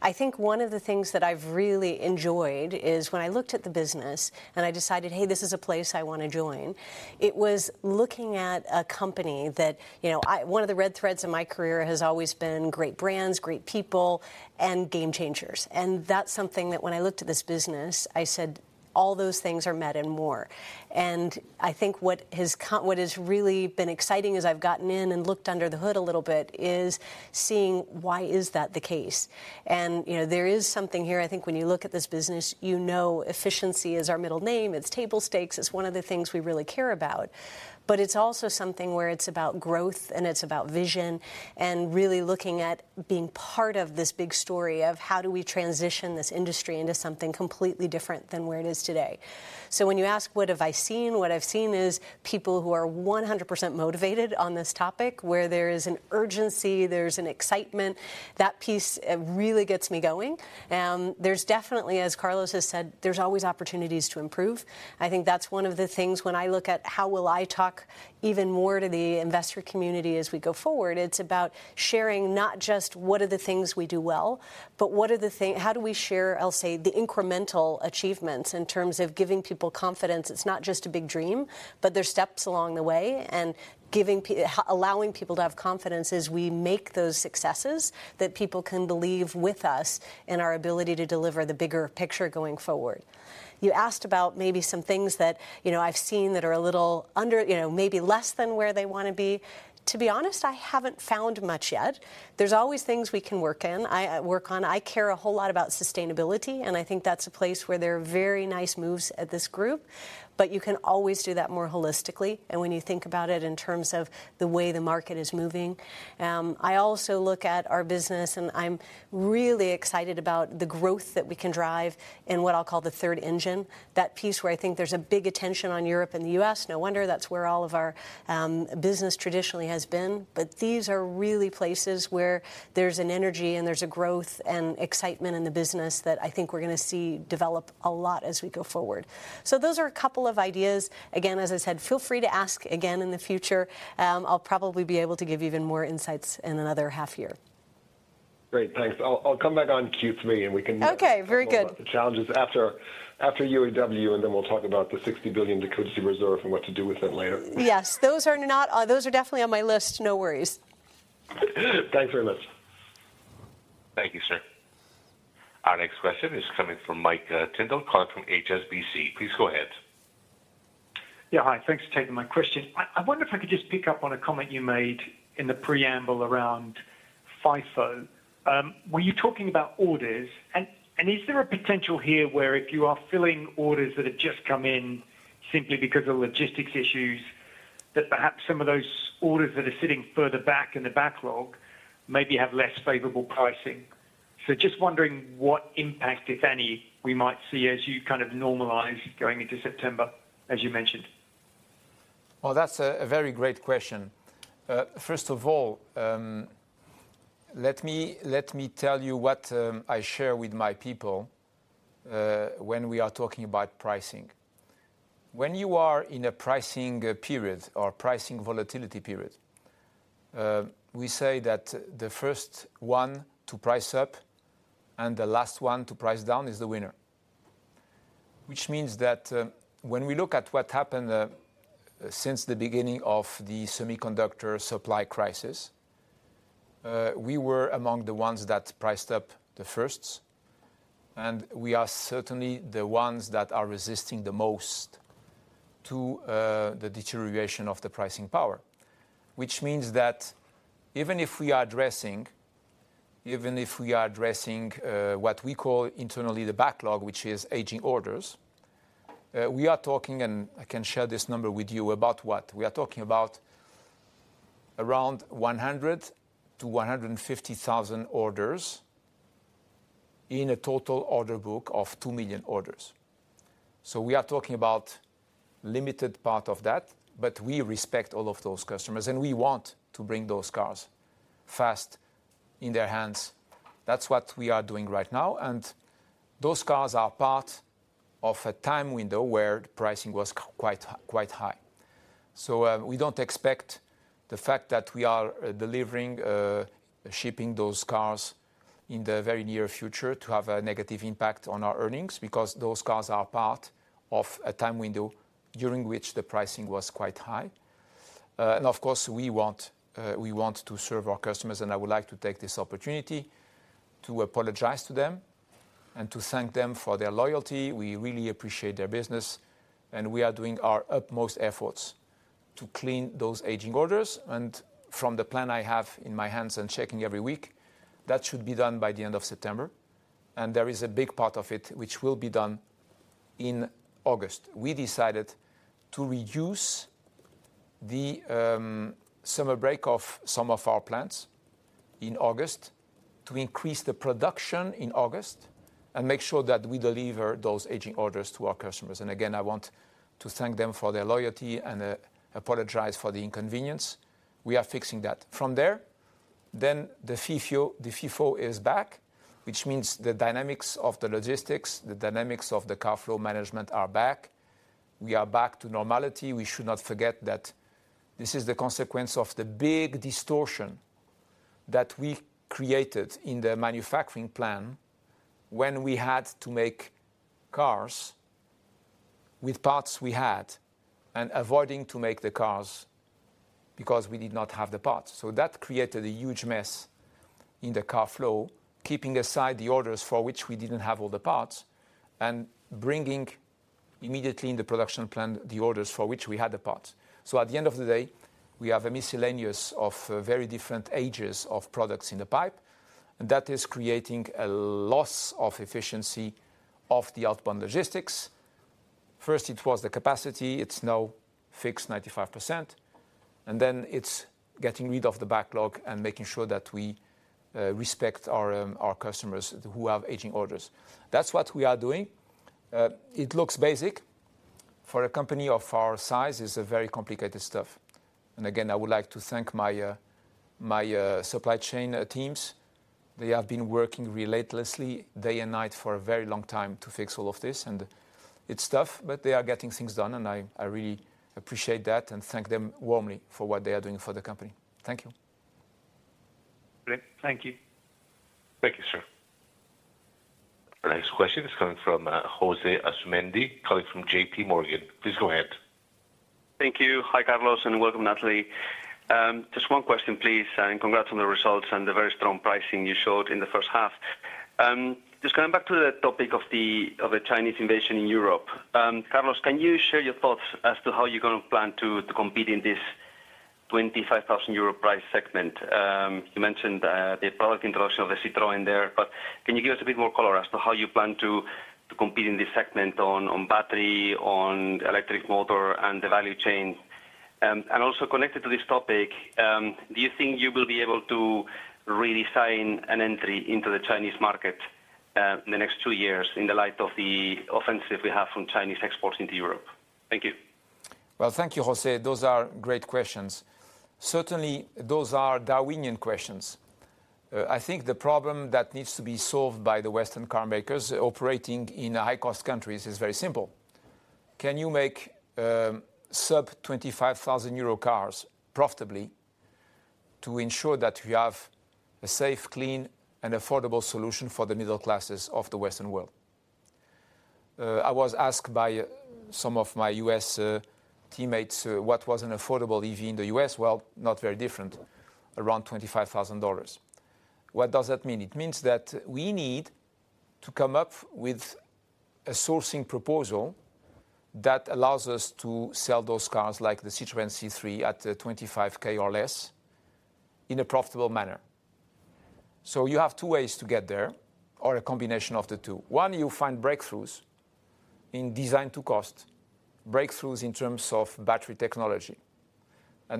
I think one of the things that I've really enjoyed is when I looked at the business, and I decided, "Hey, this is a place I want to join," it was looking at a company that, you know, one of the red threads in my career has always been great brands, great people, and game changers. That's something that when I looked at this business, I said, "All those things are met and more." I think what has really been exciting as I've gotten in and looked under the hood a little bit, is seeing why is that the case. You know, there is something here. I think when you look at this business, you know efficiency is our middle name, it's table stakes, it's one of the things we really care about. It's also something where it's about growth, and it's about vision, and really looking at being part of this big story of how do we transition this industry into something completely different than where it is today. When you ask, What have I seen? What I've seen is people who are 100% motivated on this topic, where there is an urgency, there's an excitement. That piece really gets me going. There's definitely, as Carlos has said, there's always opportunities to improve. I think that's one of the things when I look at how will I talk even more to the investor community as we go forward, it's about sharing not just what are the things we do well, but how do we share, I'll say, the incremental achievements in terms of giving people confidence it's not just a big dream, but there's steps along the way, and allowing people to have confidence as we make those successes, that people can believe with us in our ability to deliver the bigger picture going forward. You asked about maybe some things that, you know, I've seen that are a little under, you know, maybe less than where they want to be. To be honest, I haven't found much yet. There's always things we can work in, work on. I care a whole lot about sustainability, and I think that's a place where there are very nice moves at this group, but you can always do that more holistically, and when you think about it in terms of the way the market is moving. I also look at our business, and I'm really excited about the growth that we can drive in what I'll call the third engine. That piece where I think there's a big attention on Europe and the U.S., no wonder that's where all of our business traditionally has been. These are really places where there's an energy and there's a growth and excitement in the business that I think we're gonna see develop a lot as we go forward. Those are a couple of ideas. Again, as I said, feel free to ask again in the future. I'll probably be able to give even more insights in another half year. Great, thanks. I'll come back on Q3. Okay, very good.... talk about the challenges after UAW, and then we'll talk about the 60 billion delinquency reserve and what to do with it later. Yes, those are not, those are definitely on my list. No worries. Thanks very much. Thank you, sir. Our next question is coming from Mike Tyndall, calling from HSBC. Please go ahead. Yeah, hi. Thanks for taking my question. I wonder if I could just pick up on a comment you made in the preamble around FIFO. Were you talking about orders? Is there a potential here where if you are filling orders that have just come in simply because of logistics issues, that perhaps some of those orders that are sitting further back in the backlog maybe have less favorable pricing? Just wondering what impact, if any, we might see as you kind of normalize going into September, as you mentioned. Well, that's a very great question. First of all, let me tell you what I share with my people when we are talking about pricing. When you are in a pricing period or pricing volatility period, we say that the first one to price up and the last one to price down is the winner. Means that when we look at what happened since the beginning of the semiconductor supply crisis, we were among the ones that priced up the first, and we are certainly the ones that are resisting the most to the deterioration of the pricing power. Means that even if we are addressing what we call internally the backlog, which is aging orders, we are talking, and I can share this number with you, about what? We are talking about around 100,000-150,000 orders in a total order book of 2 million orders. We are talking about limited part of that, but we respect all of those customers, and we want to bring those cars fast in their hands. That's what we are doing right now, and those cars are part of a time window where pricing was quite high. We don't expect the fact that we are delivering, shipping those cars in the very near future to have a negative impact on our earnings, because those cars are part of a time window during which the pricing was quite high. Of course, we want to serve our customers, and I would like to take this opportunity to apologize to them and to thank them for their loyalty. We really appreciate their business. We are doing our utmost efforts to clean those aging orders. From the plan I have in my hands and checking every week, that should be done by the end of September. There is a big part of it, which will be done in August. We decided to reduce the summer break of some of our plants in August, to increase the production in August, make sure that we deliver those aging orders to our customers. Again, I want to thank them for their loyalty and apologize for the inconvenience. We are fixing that. From there, the FIFO, the FIFO is back, which means the dynamics of the logistics, the dynamics of the car flow management are back. We are back to normality. We should not forget that this is the consequence of the big distortion that we created in the manufacturing plan when we had to make cars with parts we had, and avoiding to make the cars because we did not have the parts. That created a huge mess in the car flow, keeping aside the orders for which we didn't have all the parts, and bringing immediately in the production plan, the orders for which we had the parts. At the end of the day, we have a miscellaneous of very different ages of products in the pipe, and that is creating a loss of efficiency of the outbound logistics. First, it was the capacity, it's now fixed 95%, and then it's getting rid of the backlog and making sure that we respect our customers who have aging orders. That's what we are doing. It looks basic. For a company of our size, it's a very complicated stuff. Again, I would like to thank my my supply chain teams. They have been working relentlessly day and night for a very long time to fix all of this, and it's tough, but they are getting things done, I really appreciate that and thank them warmly for what they are doing for the company. Thank you. Great. Thank you. Thank you, sir. Next question is coming from, José Asumendi, calling from JPMorgan. Please go ahead. Thank you. Hi, Carlos, and welcome, Natalie. Just one question, please, and congrats on the results and the very strong pricing you showed in the first half. Just coming back to the topic of the, of the Chinese invasion in Europe, Carlos, can you share your thoughts as to how you're gonna plan to compete in this 25,000 euro price segment? You mentioned the product introduction of the Citroën there, but can you give us a bit more color as to how you plan to compete in this segment on battery, on electric motor, and the value chain? Also connected to this topic, do you think you will be able to really sign an entry into the Chinese market in the next two years in the light of the offensive we have from Chinese exports into Europe? Thank you. Well, thank you, José. Those are great questions. Certainly, those are Darwinian questions. I think the problem that needs to be solved by the Western car makers operating in high-cost countries is very simple: Can you make sub 25,000 euro cars profitably to ensure that you have a safe, clean, and affordable solution for the middle classes of the Western world? I was asked by some of my U.S. teammates, what was an affordable EV in the U.S.? Well, not very different, around $25,000. What does that mean? It means that we need to come up with a sourcing proposal that allows us to sell those cars like the Citroën C3 at 25K or less in a profitable manner. You have two ways to get there, or a combination of the two. One, you find breakthroughs in design to cost, breakthroughs in terms of battery technology.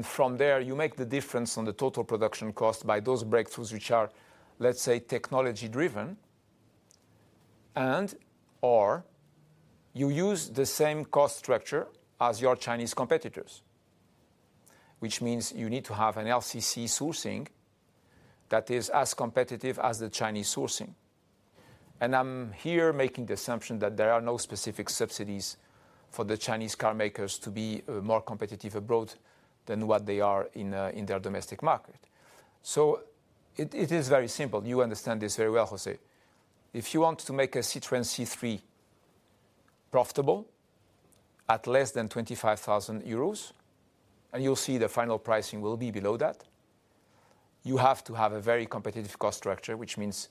From there, you make the difference on the total production cost by those breakthroughs, which are, let's say, technology-driven, and/or you use the same cost structure as your Chinese competitors. which means you need to have an LCC sourcing that is as competitive as the Chinese sourcing. I'm here making the assumption that there are no specific subsidies for the Chinese car makers to be more competitive abroad than what they are in their domestic market. It is very simple. You understand this very well, José. If you want to make a Citroën C3 profitable at less than 25,000 euros, and you'll see the final pricing will be below that, you have to have a very competitive cost structure, which means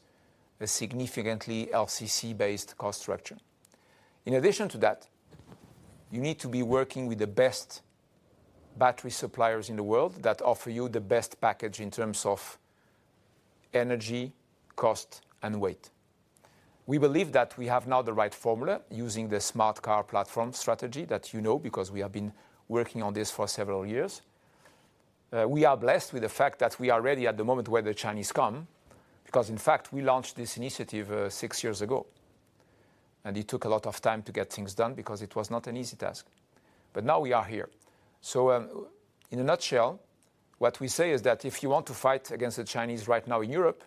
a significantly LCC-based cost structure. In addition to that, you need to be working with the best battery suppliers in the world that offer you the best package in terms of energy, cost, and weight. We believe that we have now the right formula using the Smart Car platform strategy that you know, because we have been working on this for several years. We are blessed with the fact that we are ready at the moment where the Chinese come, because in fact, we launched this initiative, six years ago. It took a lot of time to get things done because it was not an easy task. Now we are here. In a nutshell, what we say is that if you want to fight against the Chinese right now in Europe,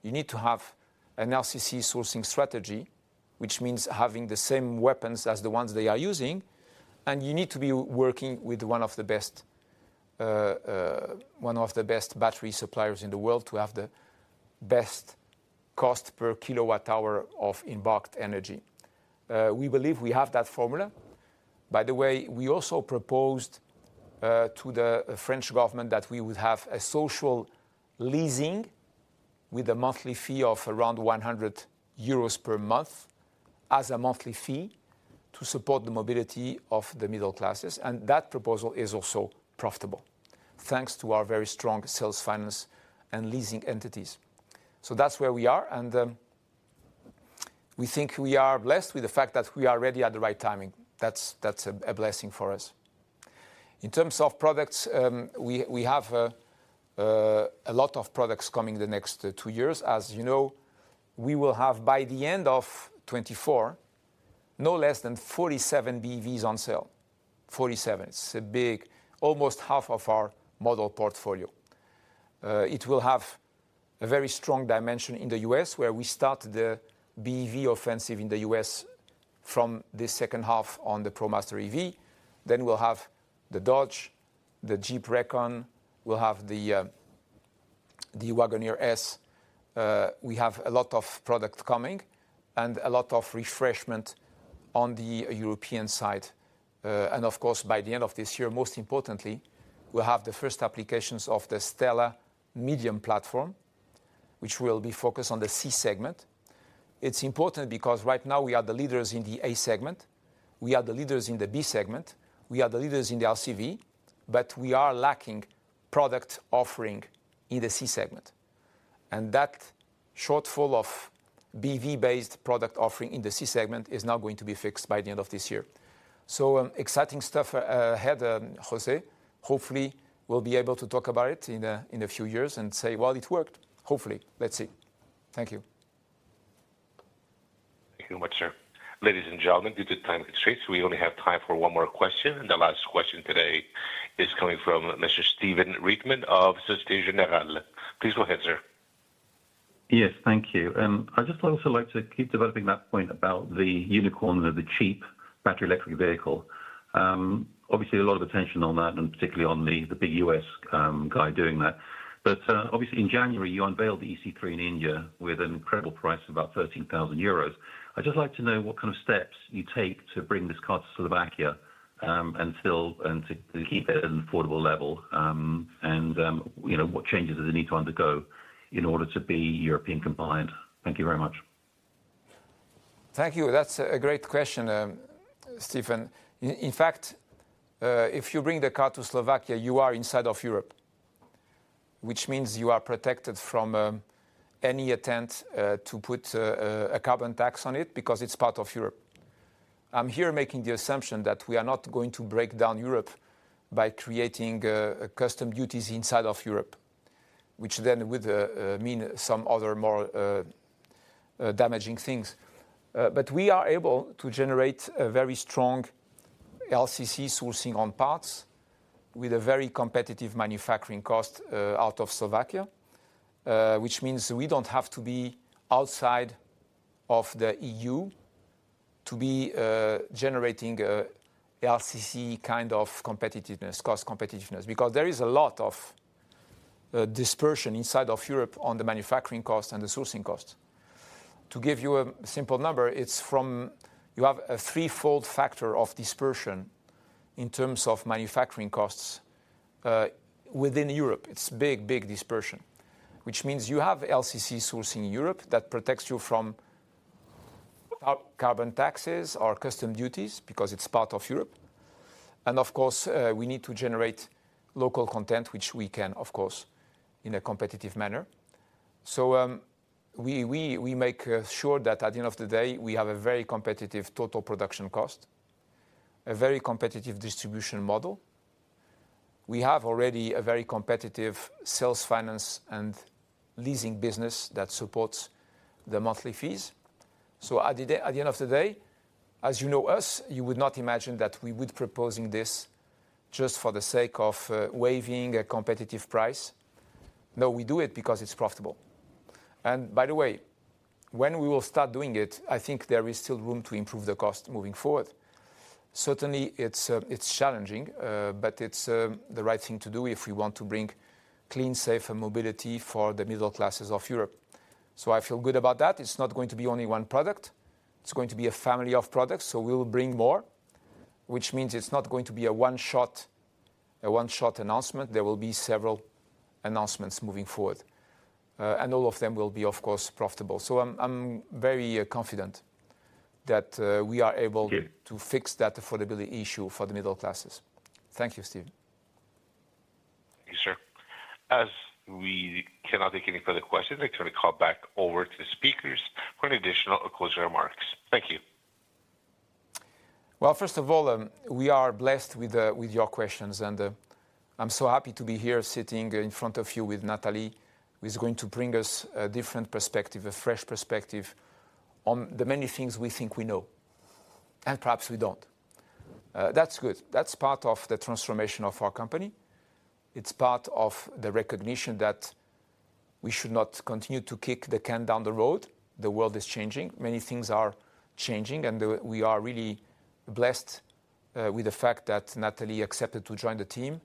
you need to have an LCC sourcing strategy, which means having the same weapons as the ones they are using, and you need to be working with one of the best battery suppliers in the world to have the best cost per kilowatt hour of embarked energy. We believe we have that formula. By the way, we also proposed to the French government that we would have a social leasing with a monthly fee of around 100 euros per month, as a monthly fee to support the mobility of the middle classes, and that proposal is also profitable, thanks to our very strong sales finance and leasing entities. That's where we are, and we think we are blessed with the fact that we are ready at the right timing. That's, that's a blessing for us. In terms of products, we have a lot of products coming the next two years. As you know, we will have, by the end of 2024, no less than 47 BEVs on sale. 47. It's almost half of our model portfolio. It will have a very strong dimension in the US, where we start the BEV offensive in the US from the second half on the ProMaster EV, then we'll have the Dodge, the Jeep Recon, we'll have the Wagoneer S. We have a lot of product coming and a lot of refreshment on the European side. Of course, by the end of this year, most importantly, we'll have the first applications of the STLA Medium platform, which will be focused on the C segment. It's important because right now we are the leaders in the A segment, we are the leaders in the B segment, we are the leaders in the LCV, but we are lacking product offering in the C segment. That shortfall of BEV-based product offering in the C segment is now going to be fixed by the end of this year. Exciting stuff ahead, José. Hopefully, we'll be able to talk about it in a few years and say, "Well, it worked." Hopefully. Let's see. Thank you. Thank you very much, sir. Ladies and gentlemen, due to time constraints, we only have time for one more question. The last question today is coming from Mr. Stephen Reitman of Societe Generale. Please go ahead, sir. Yes, thank you. I'd just also like to keep developing that point about the unicorn or the cheap battery electric vehicle. Obviously, a lot of attention on that, and particularly on the big U.S. guy doing that. Obviously, in January, you unveiled the ë-C3 in India with an incredible price of about 13,000 euros. I'd just like to know what kind of steps you take to bring this car to Slovakia, and still, and to keep it at an affordable level, and you know, what changes does it need to undergo in order to be European compliant? Thank you very much. Thank you. That's a great question, Stephen. In fact, if you bring the car to Slovakia, you are inside of Europe, which means you are protected from any attempt to put a carbon tax on it, because it's part of Europe. I'm here making the assumption that we are not going to break down Europe by creating custom duties inside of Europe, which then would mean some other more damaging things. We are able to generate a very strong LCC sourcing on parts with a very competitive manufacturing cost out of Slovakia, which means we don't have to be outside of the EU to be generating a LCC kind of competitiveness, cost competitiveness. There is a lot of dispersion inside of Europe on the manufacturing cost and the sourcing cost. To give you a simple number, you have a threefold factor of dispersion in terms of manufacturing costs within Europe. It's big dispersion, which means you have LCC sourcing in Europe that protects you from carbon taxes or custom duties, because it's part of Europe. Of course, we need to generate local content, which we can, of course, in a competitive manner. We make sure that at the end of the day, we have a very competitive total production cost, a very competitive distribution model. We have already a very competitive sales, finance, and leasing business that supports the monthly fees. At the end of the day, as you know us, you would not imagine that we would proposing this just for the sake of waiving a competitive price. No, we do it because it's profitable. By the way, when we will start doing it, I think there is still room to improve the cost moving forward. Certainly, it's challenging, but it's the right thing to do if we want to bring clean, safe, and mobility for the middle classes of Europe. I feel good about that. It's not going to be only one product. It's going to be a family of products, so we will bring more, which means it's not going to be a one-shot announcement. There will be several announcements moving forward, and all of them will be, of course, profitable. I'm very confident that we are able. Good... to fix that affordability issue for the middle classes. Thank you, Stephen. Thank you, sir. As we cannot take any further questions, I'd like to call back over to the speakers for any additional or closing remarks. Thank you. First of all, we are blessed with your questions, I'm so happy to be here sitting in front of you with Natalie, who is going to bring us a different perspective, a fresh perspective on the many things we think we know, and perhaps we don't. That's good. That's part of the transformation of our company. It's part of the recognition that we should not continue to kick the can down the road. The world is changing. Many things are changing, we are really blessed with the fact that Natalie accepted to join the team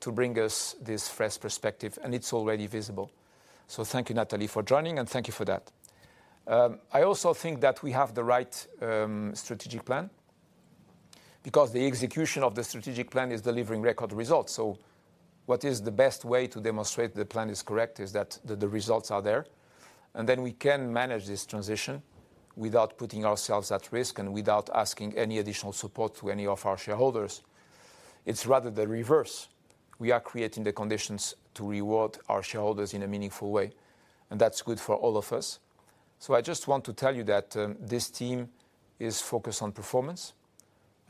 to bring us this fresh perspective, and it's already visible. Thank you, Natalie, for joining, and thank you for that. I also think that we have the right strategic plan, because the execution of the strategic plan is delivering record results. What is the best way to demonstrate the plan is correct, is that the results are there, and then we can manage this transition without putting ourselves at risk and without asking any additional support to any of our shareholders. It's rather the reverse. We are creating the conditions to reward our shareholders in a meaningful way, and that's good for all of us. I just want to tell you that this team is focused on performance,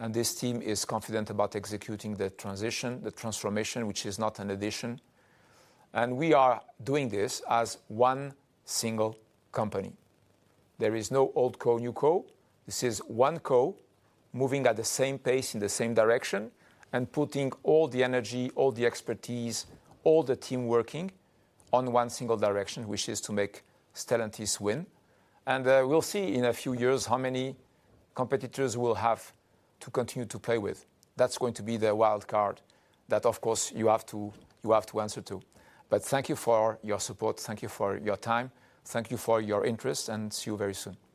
and this team is confident about executing the transition, the transformation, which is not an addition. We are doing this as one single company. There is no old co, new co. This is one co, moving at the same pace, in the same direction, and putting all the energy, all the expertise, all the team working on one single direction, which is to make Stellantis win. We'll see in a few years how many competitors we'll have to continue to play with. That's going to be the wild card that, of course, you have to answer to. Thank you for your support. Thank you for your time. Thank you for your interest. See you very soon.